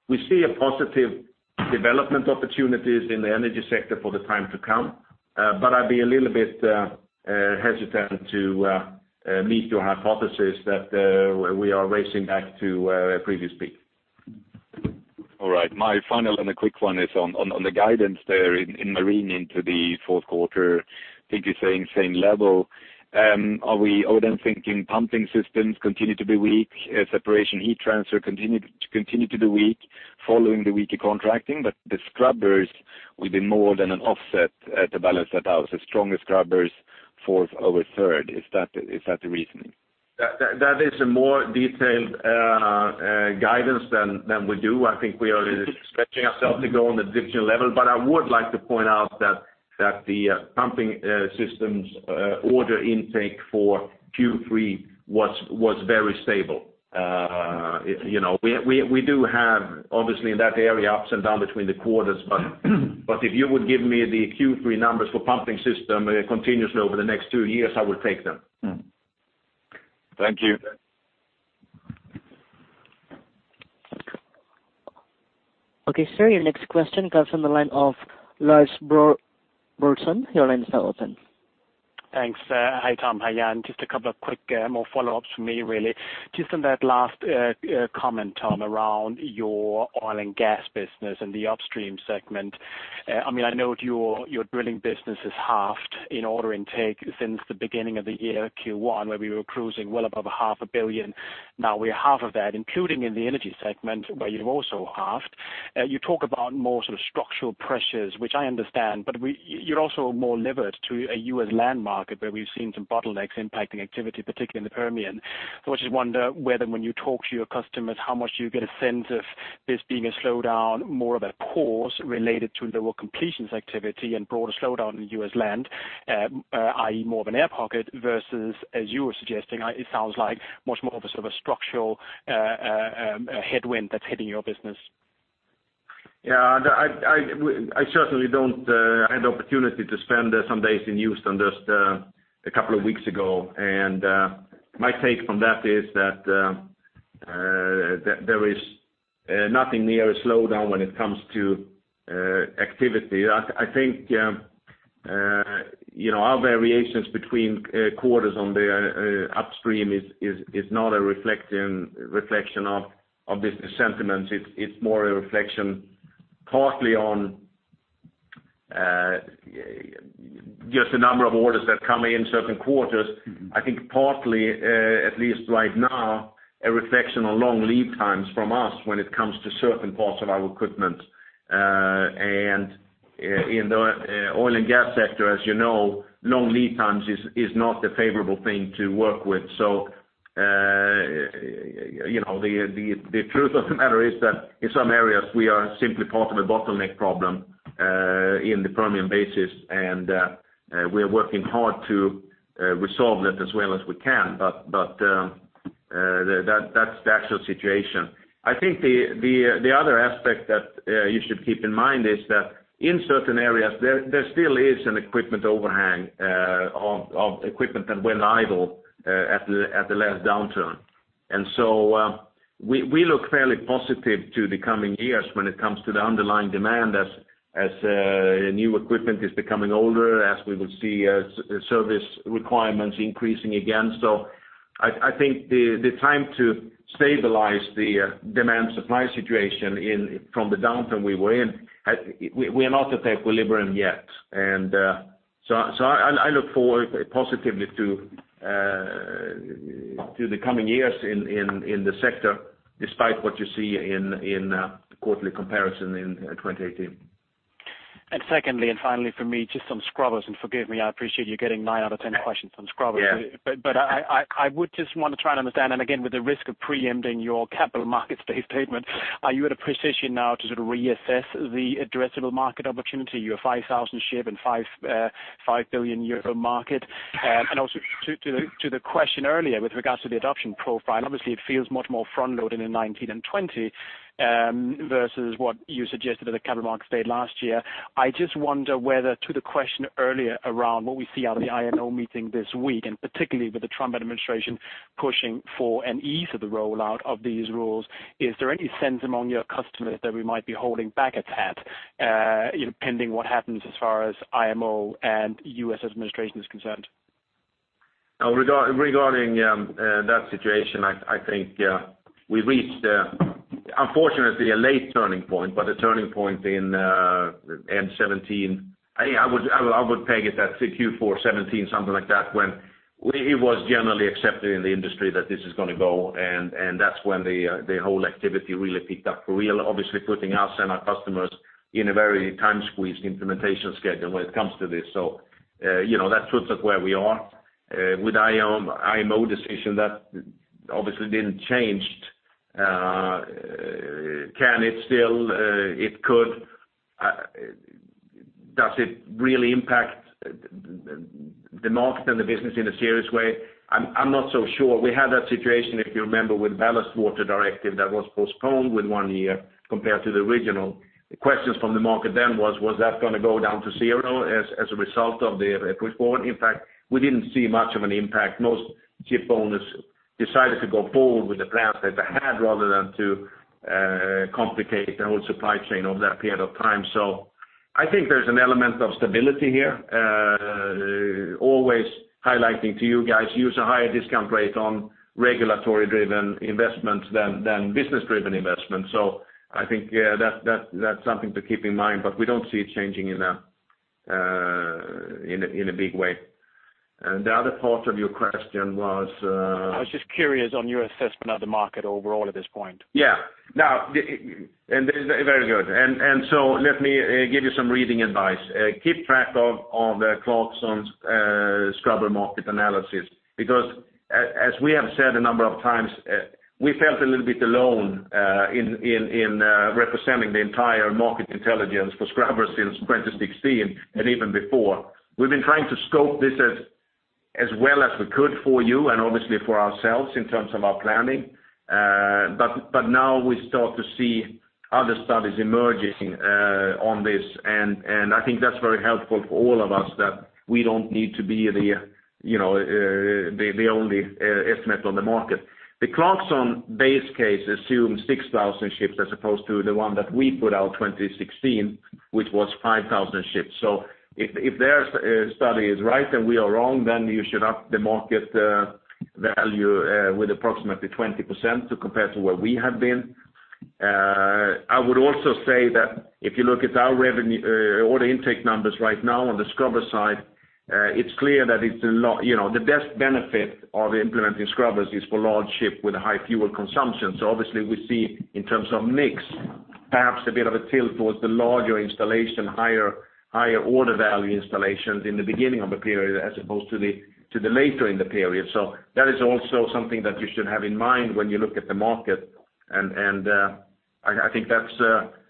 We see a positive development opportunities in the energy sector for the time to come. I'd be a little bit hesitant to meet your hypothesis that we are racing back to previous peak. All right. My final and a quick one is on the guidance there in marine into the fourth quarter. I think you are saying same level. Are we then thinking pumping systems continue to be weak, separation heat transfer continue to be weak following the weaker contracting, but the scrubbers will be more than an offset at the balance that out, so stronger scrubbers fourth over third. Is that the reasoning? That is a more detailed guidance than we do. I think we are stretching ourselves to go on an additional level, but I would like to point out that the pumping systems order intake for Q3 was very stable. We do have obviously in that area ups and down between the quarters, but if you would give me the Q3 numbers for pumping system continuously over the next two years, I would take them. Thank you. Okay, sir, your next question comes from the line of Lars Brodersen. Your line is now open. Thanks. Hi, Tom. Hi, Jan. Just a couple of quick more follow-ups from me really. Just on that last comment, Tom, around your oil and gas business and the upstream segment. I know your drilling business is halved in order intake since the beginning of the year, Q1, where we were cruising well above a half a billion. Now we're half of that, including in the energy segment, where you've also halved. You talk about more sort of structural pressures, which I understand, but you're also more levered to a U.S. land market where we've seen some bottlenecks impacting activity, particularly in the Permian. I just wonder whether when you talk to your customers, how much do you get a sense of this being a slowdown, more of a pause related to lower completions activity and broader slowdown in U.S. land, i.e., more of an air pocket versus, as you were suggesting, it sounds like much more of a sort of a structural headwind that's hitting your business. Yeah. I certainly don't have the opportunity to spend some days in Houston just a couple of weeks ago. My take from that is that there is nothing near a slowdown when it comes to activity. I think our variations between quarters on the upstream is not a reflection of business sentiments. It's more a reflection partly on just the number of orders that come in certain quarters. I think partly, at least right now, a reflection of long lead times from us when it comes to certain parts of our equipment. In the oil and gas sector, as you know, long lead times is not a favorable thing to work with. The truth of the matter is that in some areas, we are simply part of a bottleneck problem in the Permian Basin, and we are working hard to resolve that as well as we can. That's the actual situation. I think the other aspect that you should keep in mind is that in certain areas, there still is an equipment overhang of equipment that went idle at the last downturn. We look fairly positive to the coming years when it comes to the underlying demand as new equipment is becoming older, as we will see service requirements increasing again. I think the time to stabilize the demand-supply situation from the downturn we were in, we are not at equilibrium yet. I look forward positively to the coming years in the sector, despite what you see in the quarterly comparison in 2018. Secondly and finally for me, just on scrubbers, and forgive me, I appreciate you getting nine out of 10 questions on scrubbers. Yeah. I would just want to try and understand, and again, with the risk of preempting your Capital Markets Day statement, are you at a position now to sort of reassess the addressable market opportunity, your 5,000 ship and 5 billion euro market? Also to the question earlier with regards to the adoption profile, and obviously, it feels much more front-loaded in 2019 and 2020, versus what you suggested at the Capital Markets Day last year. I just wonder whether to the question earlier around what we see out of the IMO meeting this week, and particularly with the Trump administration pushing for an ease of the rollout of these rules, is there any sense among your customers that we might be holding back a tad, pending what happens as far as IMO and U.S. administration is concerned? Regarding that situation, I think we reached, unfortunately, a late turning point, but a turning point in end 2017. I would peg it at Q4 2017, something like that, when it was generally accepted in the industry that this is going to go, and that's when the whole activity really picked up for real. Obviously, putting us and our customers in a very time-squeezed implementation schedule when it comes to this. That puts us where we are. With IMO decision, that obviously didn't change. Can it still? It could. Does it really impact the market and the business in a serious way? I'm not so sure. We had that situation, if you remember, with ballast water directive that was postponed with one year compared to the original. The questions from the market then was that going to go down to zero as a result of the push forward? In fact, we didn't see much of an impact. Most ship owners decided to go forward with the plans that they had, rather than to complicate the whole supply chain over that period of time. I think there's an element of stability here. Always highlighting to you guys, use a higher discount rate on regulatory-driven investments than business-driven investments. I think that's something to keep in mind, but we don't see it changing in a big way. The other part of your question was? I was just curious on your assessment of the market overall at this point. Very good. Let me give you some reading advice. Keep track of the Clarksons scrubber market analysis, because as we have said a number of times, we felt a little bit alone in representing the entire market intelligence for scrubbers since 2016 and even before. We've been trying to scope this as well as we could for you and obviously for ourselves in terms of our planning. Now we start to see other studies emerging on this, and I think that's very helpful for all of us that we don't need to be the only estimate on the market. The Clarksons base case assumes 6,000 ships as opposed to the one that we put out 2016, which was 5,000 ships. If their study is right and we are wrong, then you should up the market value with approximately 20% to compare to where we have been. I would also say that if you look at our order intake numbers right now on the scrubber side, it's clear that the best benefit of implementing scrubbers is for large ship with a high fuel consumption. Obviously we see in terms of mix, perhaps a bit of a tilt towards the larger installation, higher order value installations in the beginning of a period as opposed to the later in the period. That is also something that you should have in mind when you look at the market. I think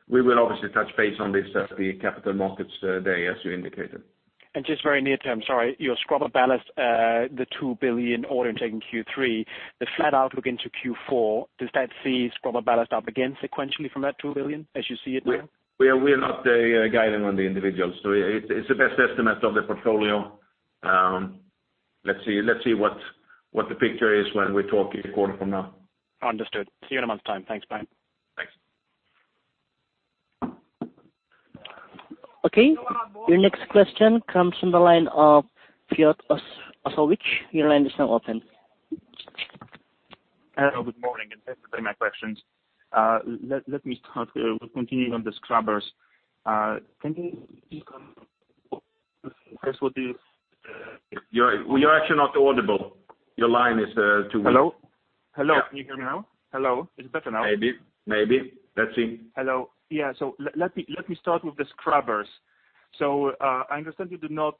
we will obviously touch base on this at the Capital Markets Day, as you indicated. Just very near term, sorry, your scrubber ballast, the 2 billion order intake in Q3, the flat outlook into Q4, does that see scrubber ballast up again sequentially from that 2 billion as you see it now? We are not guiding on the individuals. It's the best estimate of the portfolio. Let's see what the picture is when we talk a quarter from now. Understood. See you in a month's time. Thanks, bye. Thanks. Okay. Your next question comes from the line of Piotr Ostrowicz. Your line is now open. Hello. Good morning, and thanks for taking my questions. Let me start with continuing on the scrubbers. Can you give some. You're actually not audible. Your line is too- Hello? Hello. Can you hear me now? Hello. It's better now. Maybe. Let's see. Hello. Yeah, let me start with the scrubbers. I understand you did not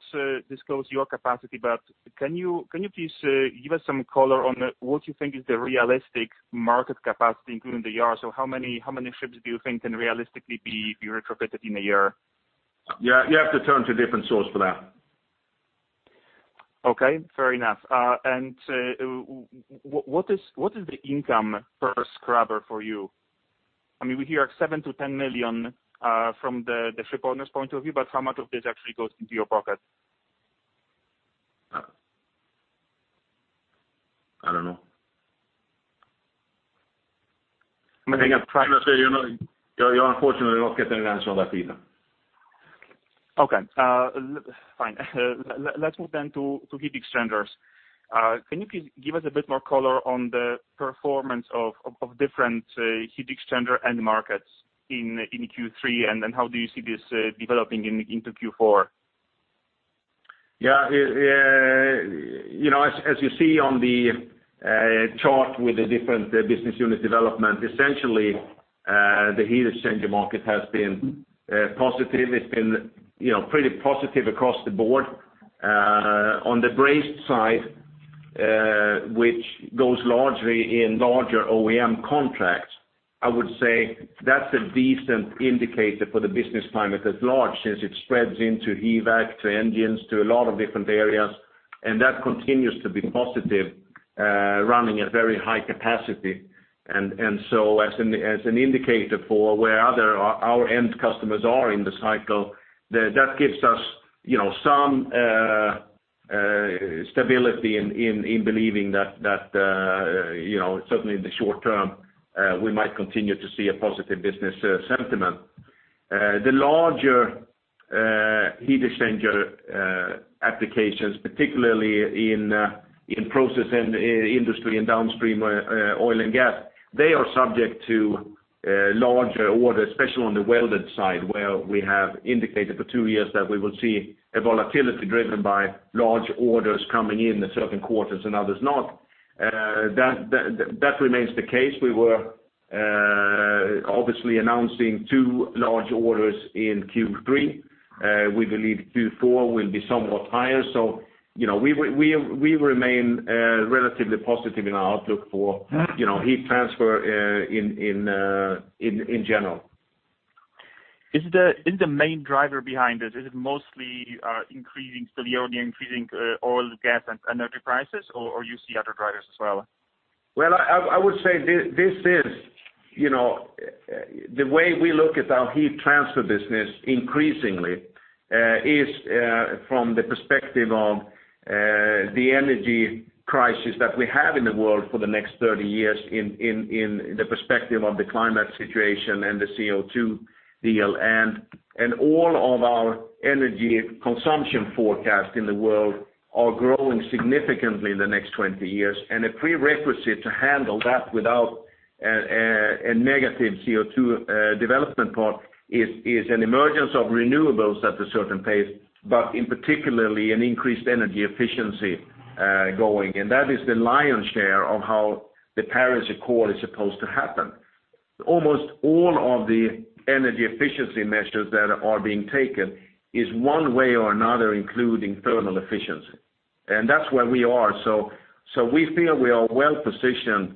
disclose your capacity, but can you please give us some color on what you think is the realistic market capacity, including the yards? How many ships do you think can realistically be retrofitted in a year? You have to turn to a different source for that. Okay, fair enough. What is the income per scrubber for you? We hear $7 million-$10 million, from the ship owners point of view, but how much of this actually goes into your pocket? I don't know. I mean- You're unfortunately not getting an answer on that either. Okay, fine. Let's move to heat exchangers. Can you please give us a bit more color on the performance of different heat exchanger end markets in Q3, how do you see this developing into Q4? As you see on the chart with the different business unit development, essentially, the heat exchanger market has been positive. It's been pretty positive across the board. On the brazed side, which goes largely in larger OEM contracts, I would say that's a decent indicator for the business climate as large, since it spreads into HVAC, to engines, to a lot of different areas. That continues to be positive, running at very high capacity. As an indicator for where our end customers are in the cycle, that gives us some stability in believing that certainly in the short term, we might continue to see a positive business sentiment. The larger heat exchanger applications, particularly in process and industry and downstream oil and gas, they are subject to larger orders, especially on the welded side, where we have indicated for two years that we will see a volatility driven by large orders coming in in certain quarters and others not. That remains the case. We were obviously announcing two large orders in Q3. We believe Q4 will be somewhat higher. We remain relatively positive in our outlook for heat transfer in general. Is the main driver behind it, is it mostly increasing still the only increasing oil, gas, and energy prices, or you see other drivers as well? Well, I would say the way we look at our heat transfer business increasingly, is from the perspective of the energy crisis that we have in the world for the next 30 years in the perspective of the climate situation and the CO2 deal, all of our energy consumption forecast in the world are growing significantly in the next 20 years. A prerequisite to handle that without a negative CO2 development part is an emergence of renewables at a certain pace, but in particularly an increased energy efficiency going. That is the lion's share of how the Paris Agreement is supposed to happen. Almost all of the energy efficiency measures that are being taken is one way or another including thermal efficiency. That's where we are. We feel we are well-positioned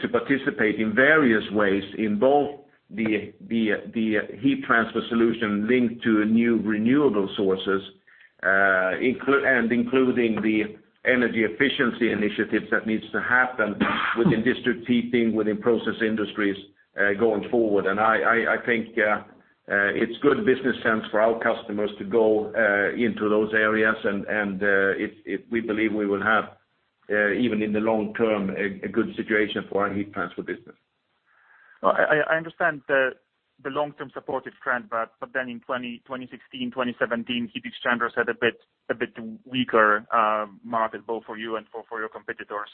to participate in various ways in both the heat transfer solution linked to new renewable sources, including the energy efficiency initiatives that needs to happen within district heating, within process industries, going forward. I think it's good business sense for our customers to go into those areas. We believe we will have, even in the long term, a good situation for our heat transfer business. I understand the long-term supportive trend, but then in 2016, 2017, heat exchangers had a bit weaker market, both for you and for your competitors.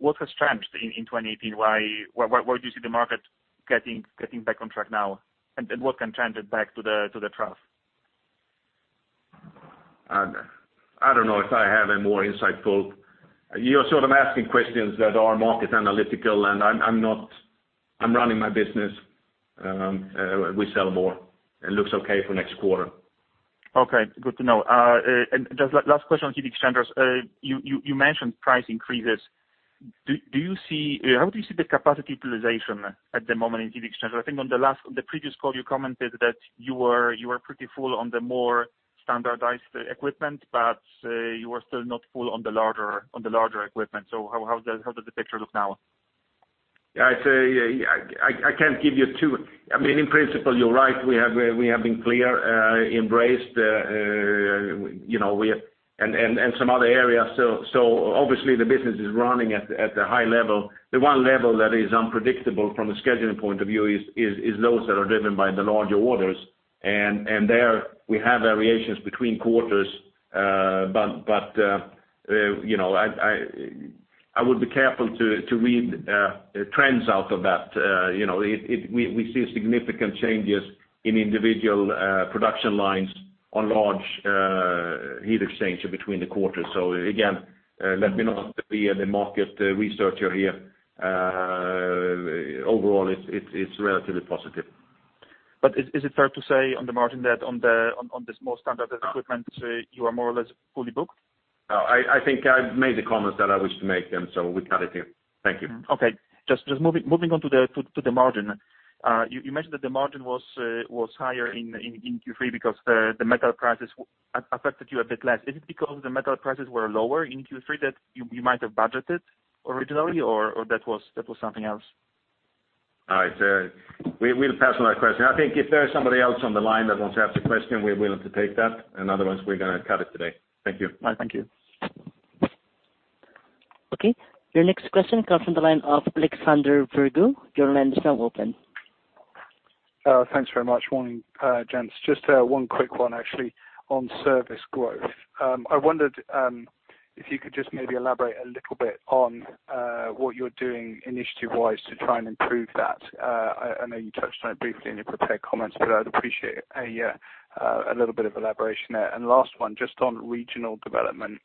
What has changed in 2018? Why do you see the market getting back on track now? What can turn it back to the trough? I don't know if I have a more insightful. You're sort of asking questions that are market analytical, and I'm running my business. We sell more. It looks okay for next quarter. Okay, good to know. Just last question on heat exchangers. You mentioned price increases. How do you see the capacity utilization at the moment in heat exchangers? I think on the previous call, you commented that you were pretty full on the more standardized equipment, but you were still not full on the larger equipment. How does the picture look now? In principle, you're right. We have been clear, embraced, and some other areas. Obviously the business is running at a high level. The one level that is unpredictable from a scheduling point of view is those that are driven by the larger orders. There we have variations between quarters. I would be careful to read trends out of that. We see significant changes in individual production lines on large heat exchanger between the quarters. Again, let me not be the market researcher here. Overall, it's relatively positive. Is it fair to say on the margin that on this more standardized equipment, you are more or less fully booked? No, I think I've made the comments that I wish to make, and so we cut it here. Thank you. Okay. Just moving on to the margin. You mentioned that the margin was higher in Q3 because the metal prices affected you a bit less. Is it because the metal prices were lower in Q3 that you might have budgeted originally, or that was something else? We'll pass on that question. I think if there is somebody else on the line that wants to ask a question, and otherwise, we're going to cut it today. Thank you. All right. Thank you. Okay. Your next question comes from the line of Alexander Gurevich. Your line is now open. Thanks very much. Morning, gents. Just one quick one, actually, on service growth. I wondered if you could just maybe elaborate a little bit on what you're doing initiative-wise to try and improve that. I know you touched on it briefly in your prepared comments, but I'd appreciate a little bit of elaboration there. Last one, just on regional development.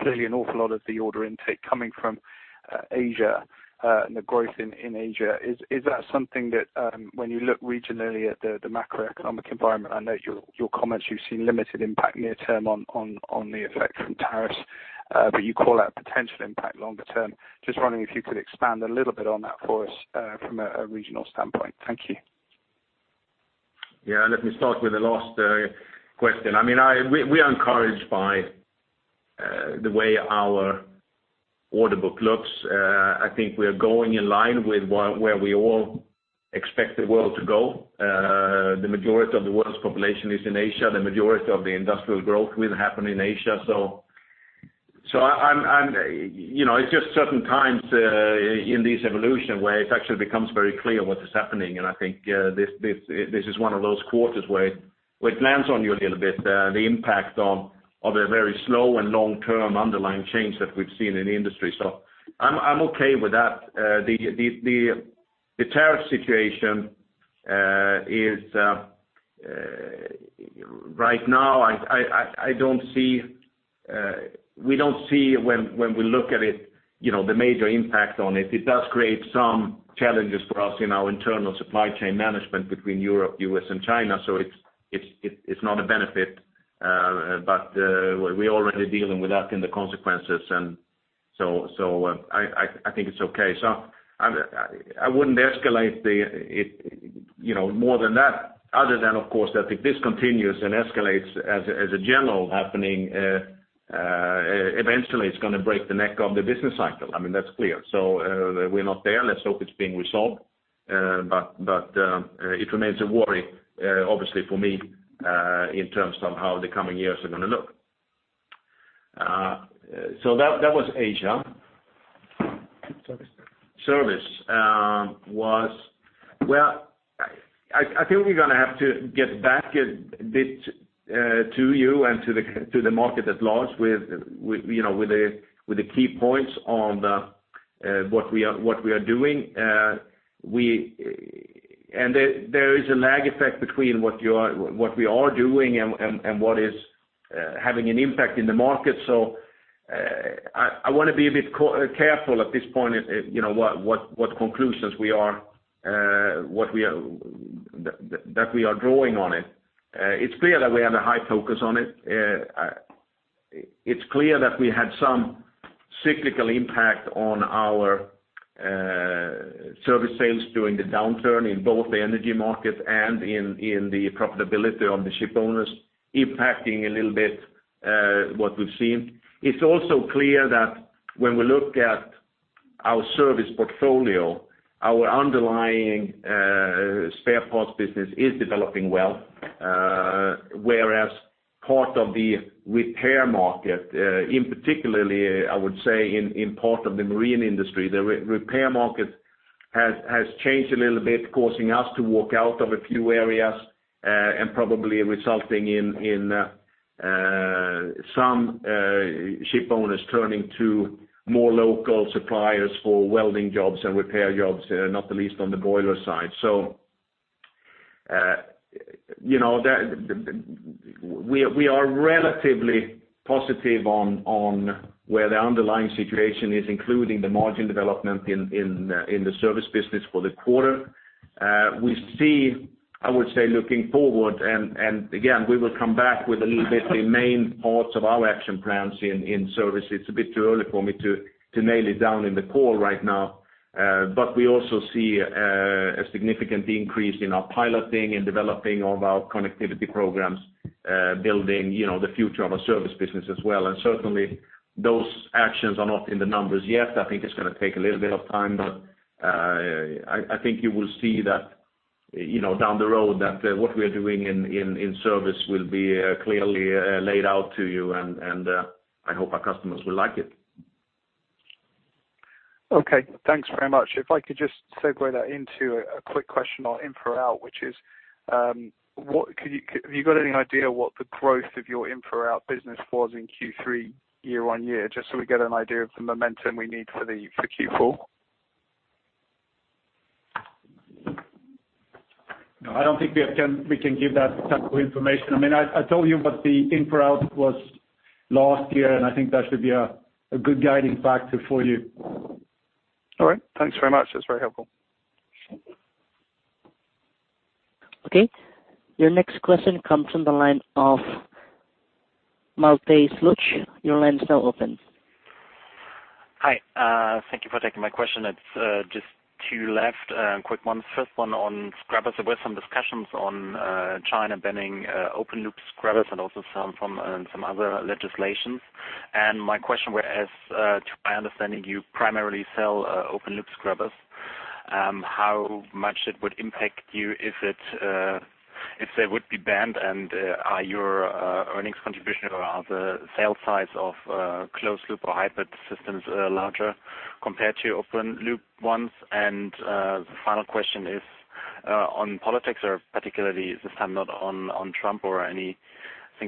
Clearly an awful lot of the order intake coming from Asia, and the growth in Asia. Is that something that when you look regionally at the macroeconomic environment, I know your comments, you've seen limited impact near term on the effect from tariffs, but you call out potential impact longer term. Just wondering if you could expand a little bit on that for us from a regional standpoint. Thank you. Let me start with the last question. We are encouraged by the way our order book looks. I think we are going in line with where we all expect the world to go. The majority of the world's population is in Asia. The majority of the industrial growth will happen in Asia. It's just certain times in this evolution where it actually becomes very clear what is happening, and I think this is one of those quarters where it lands on you a little bit, the impact of a very slow and long-term underlying change that we've seen in the industry. I'm okay with that. The tariff situation is, right now, we don't see when we look at it, the major impact on it. It does create some challenges for us in our internal supply chain management between Europe, U.S., and China, it's not a benefit. We're already dealing with that and the consequences, I think it's okay. I wouldn't escalate it more than that, other than, of course, that if this continues and escalates as a general happening, eventually it's going to break the neck of the business cycle. That's clear. We're not there. Let's hope it's being resolved. It remains a worry, obviously for me, in terms of how the coming years are going to look. That was Asia. Service. I think we're going to have to get back a bit to you and to the market at large with the key points on what we are doing. There is a lag effect between what we are doing and what is having an impact in the market. I want to be a bit careful at this point what conclusions that we are drawing on it. It's clear that we have a high focus on it. It's clear that we had some cyclical impact on our service sales during the downturn in both the energy market and in the profitability of the ship owners impacting a little bit what we've seen. It's also clear that when we look at our service portfolio, our underlying spare parts business is developing well whereas part of the repair market, in particular, I would say in part of the marine industry, the repair market has changed a little bit, causing us to walk out of a few areas, and probably resulting in some ship owners turning to more local suppliers for welding jobs and repair jobs, not the least on the boiler side. We are relatively positive on where the underlying situation is, including the margin development in the service business for the quarter. We see, I would say looking forward, and again, we will come back with a little bit the main parts of our action plans in service. It's a bit too early for me to nail it down in the call right now. We also see a significant increase in our piloting and developing of our connectivity programs, building the future of our service business as well. Certainly, those actions are not in the numbers yet. I think it's going to take a little bit of time, but I think you will see that down the road, that what we're doing in service will be clearly laid out to you, and I hope our customers will like it. Okay, thanks very much. If I could just segue that into a quick question on, [inaudible] which is, have you got any idea what the growth of your [inaudible] business was in Q3 year-over-year, just so we get an idea of the momentum we need for Q4? No, I don't think we can give that type of information. I told you what the in-for-out was last year, and I think that should be a good guiding factor for you. All right. Thanks very much. That's very helpful. Okay. Your next question comes from the line of Malte Schulz. Your line is now open. Hi. Thank you for taking my question. It's just two left, quick ones. First one on scrubbers. There were some discussions on China banning open loop scrubbers and also some other legislations. My question was, to my understanding, you primarily sell open loop scrubbers. How much it would impact you if they would be banned, and are your earnings contribution or are the sale size of closed loop or hybrid systems larger compared to open loop ones? The final question is on politics, or particularly this time not on Trump or anything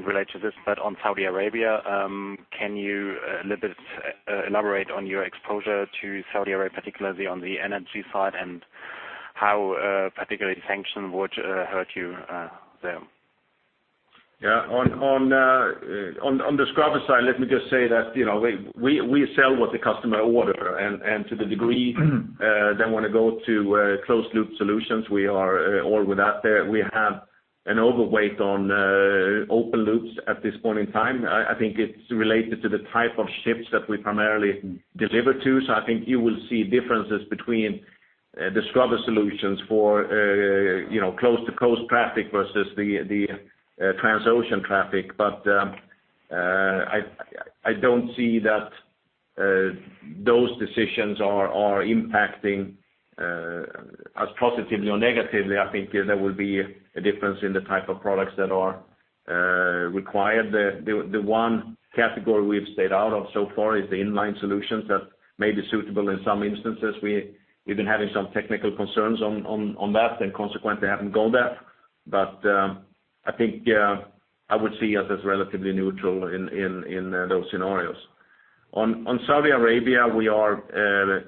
related to this, but on Saudi Arabia. Can you a little bit elaborate on your exposure to Saudi Arabia, particularly on the energy side and how, particularly the sanction would hurt you there? Yeah. On the scrubber side, let me just say that we sell what the customer order. To the degree they want to go to closed loop solutions, we are all with that. We have an overweight on open loops at this point in time. I think it's related to the type of ships that we primarily deliver to. I think you will see differences between the scrubber solutions for coast to coast traffic versus the trans-ocean traffic. I don't see that those decisions are impacting us positively or negatively. I think there will be a difference in the type of products that are required. The one category we've stayed out of so far is the inline solutions that may be suitable in some instances. We've been having some technical concerns on that and consequently haven't gone there. I think I would see us as relatively neutral in those scenarios. On Saudi Arabia, we are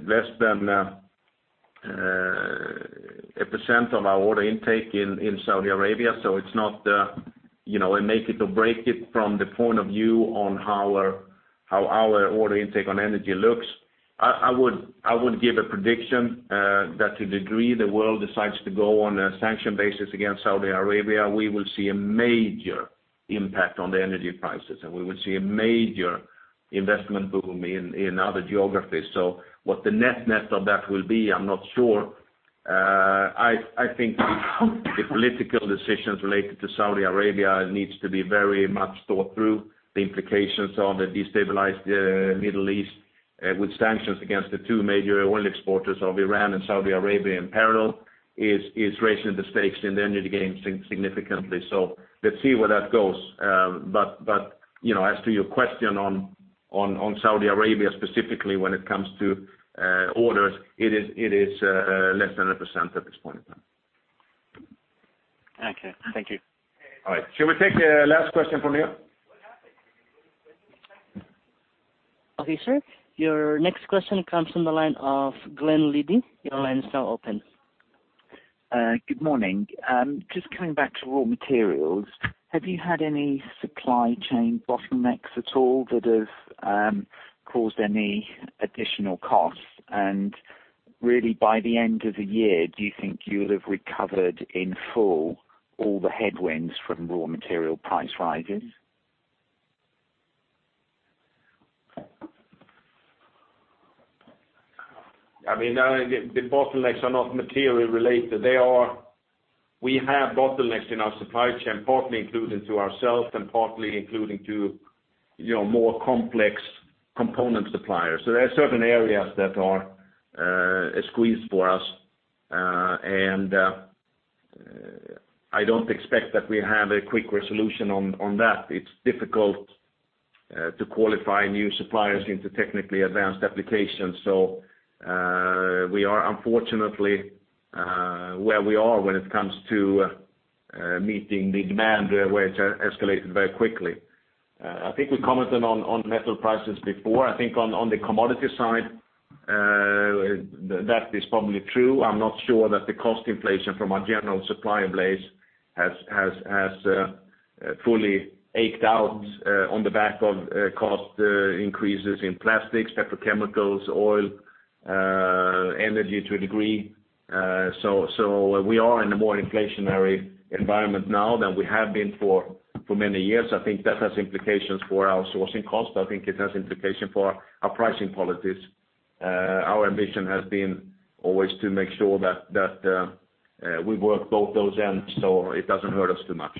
less than 1% of our order intake in Saudi Arabia. It's not a make it or break it from the point of view on how our order intake on energy looks. I would give a prediction that to the degree the world decides to go on a sanction basis against Saudi Arabia, we will see a major impact on the energy prices, and we will see a major investment boom in other geographies. What the net-net of that will be, I'm not sure. I think the political decisions related to Saudi Arabia needs to be very much thought through. The implications of a destabilized Middle East with sanctions against the two major oil exporters of Iran and Saudi Arabia in parallel is raising the stakes in the energy game significantly. Let's see where that goes. As to your question on Saudi Arabia, specifically when it comes to orders, it is less than 1% at this point in time. Okay. Thank you. All right. Shall we take the last question from you? Okay, sir. Your next question comes from the line of Klas Fåhræus. Your line is now open. Good morning. Just coming back to raw materials, have you had any supply chain bottlenecks at all that have caused any additional costs? Really, by the end of the year, do you think you'll have recovered in full all the headwinds from raw material price rises? The bottlenecks are not material related. We have bottlenecks in our supply chain, partly including to ourselves and partly including to more complex component suppliers. There are certain areas that are a squeeze for us. I don't expect that we have a quick resolution on that. It's difficult to qualify new suppliers into technically advanced applications. We are unfortunately where we are when it comes to meeting the demand where it's escalated very quickly. I think we commented on metal prices before. I think on the commodity side, that is probably true. I'm not sure that the cost inflation from a general supplier base has fully played out on the back of cost increases in plastics, petrochemicals, oil, energy to a degree. We are in a more inflationary environment now than we have been for many years. I think that has implications for our sourcing cost. I think it has implication for our pricing policies. Our mission has been always to make sure that we work both those ends, so it doesn't hurt us too much.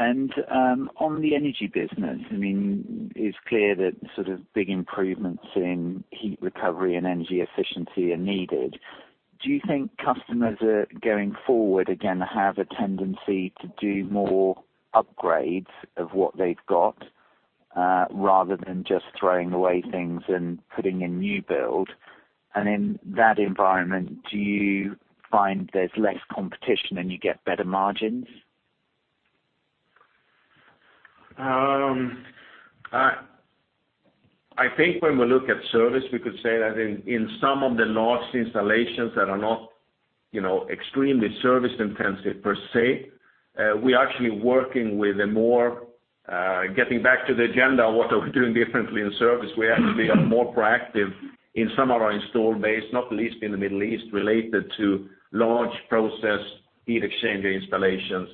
Okay. On the energy business, it's clear that big improvements in heat recovery and energy efficiency are needed. Do you think customers are going forward again, have a tendency to do more upgrades of what they've got, rather than just throwing away things and putting in new build? In that environment, do you find there's less competition and you get better margins? I think when we look at service, we could say that in some of the large installations that are not extremely service intensive per se, we are actually working with getting back to the agenda, what are we doing differently in service? We actually are more proactive in some of our install base, not least in the Middle East, related to large process heat exchanger installations,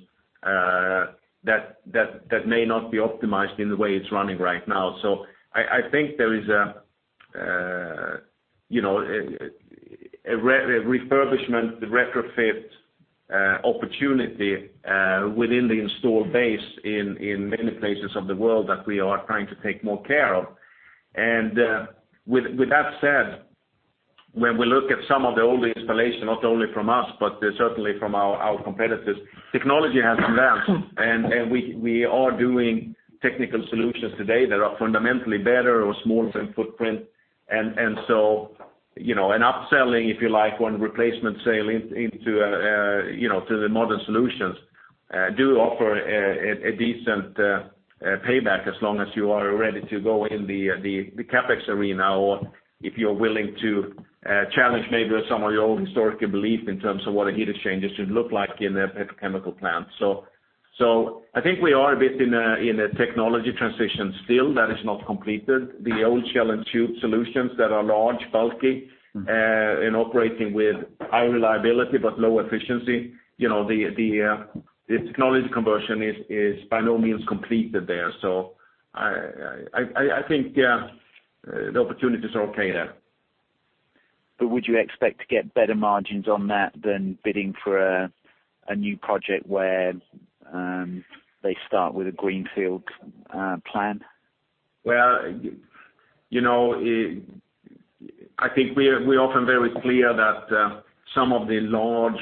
that may not be optimized in the way it's running right now. I think there is a refurbishment, the retrofit opportunity, within the installed base in many places of the world that we are trying to take more care of. With that said, when we look at some of the older installation, not only from us, but certainly from our competitors, technology has advanced and we are doing technical solutions today that are fundamentally better or smaller than footprint. Upselling, if you like, when replacement sale into the modern solutions, do offer a decent payback as long as you are ready to go in the CapEx arena, or if you're willing to challenge maybe some of your old historical belief in terms of what a heat exchanger should look like in a petrochemical plant. I think we are a bit in a technology transition still that is not completed. The old shell and tube solutions that are large, bulky, and operating with high reliability, but low efficiency. The technology conversion is by no means completed there. I think, yeah, the opportunities are okay there. Would you expect to get better margins on that than bidding for a new project where they start with a greenfield plan? I think we are often very clear that some of the large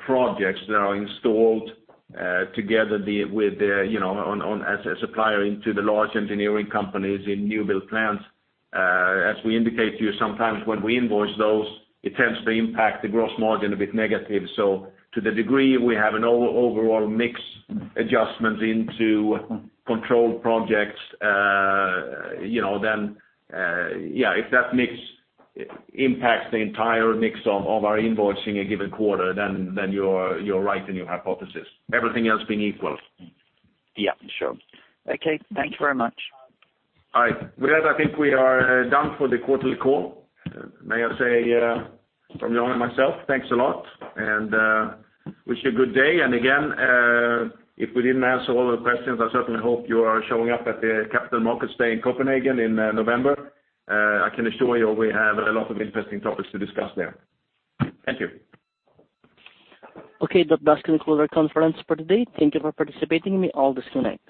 projects that are installed together as a supplier into the large engineering companies in new build plants, as we indicate to you, sometimes when we invoice those, it tends to impact the gross margin a bit negative. To the degree we have an overall mix adjustment into controlled projects, then if that mix impacts the entire mix of our invoicing a given quarter, then you are right in your hypothesis, everything else being equal. Sure. Okay. Thank you very much. With that, I think we are done for the quarterly call. May I say, from Jan and myself, thanks a lot and wish you a good day. Again, if we didn't answer all the questions, I certainly hope you are showing up at the Capital Markets Day in Copenhagen in November. I can assure you we have a lot of interesting topics to discuss there. Thank you. Okay. That does conclude our conference for today. Thank you for participating. You may all disconnect.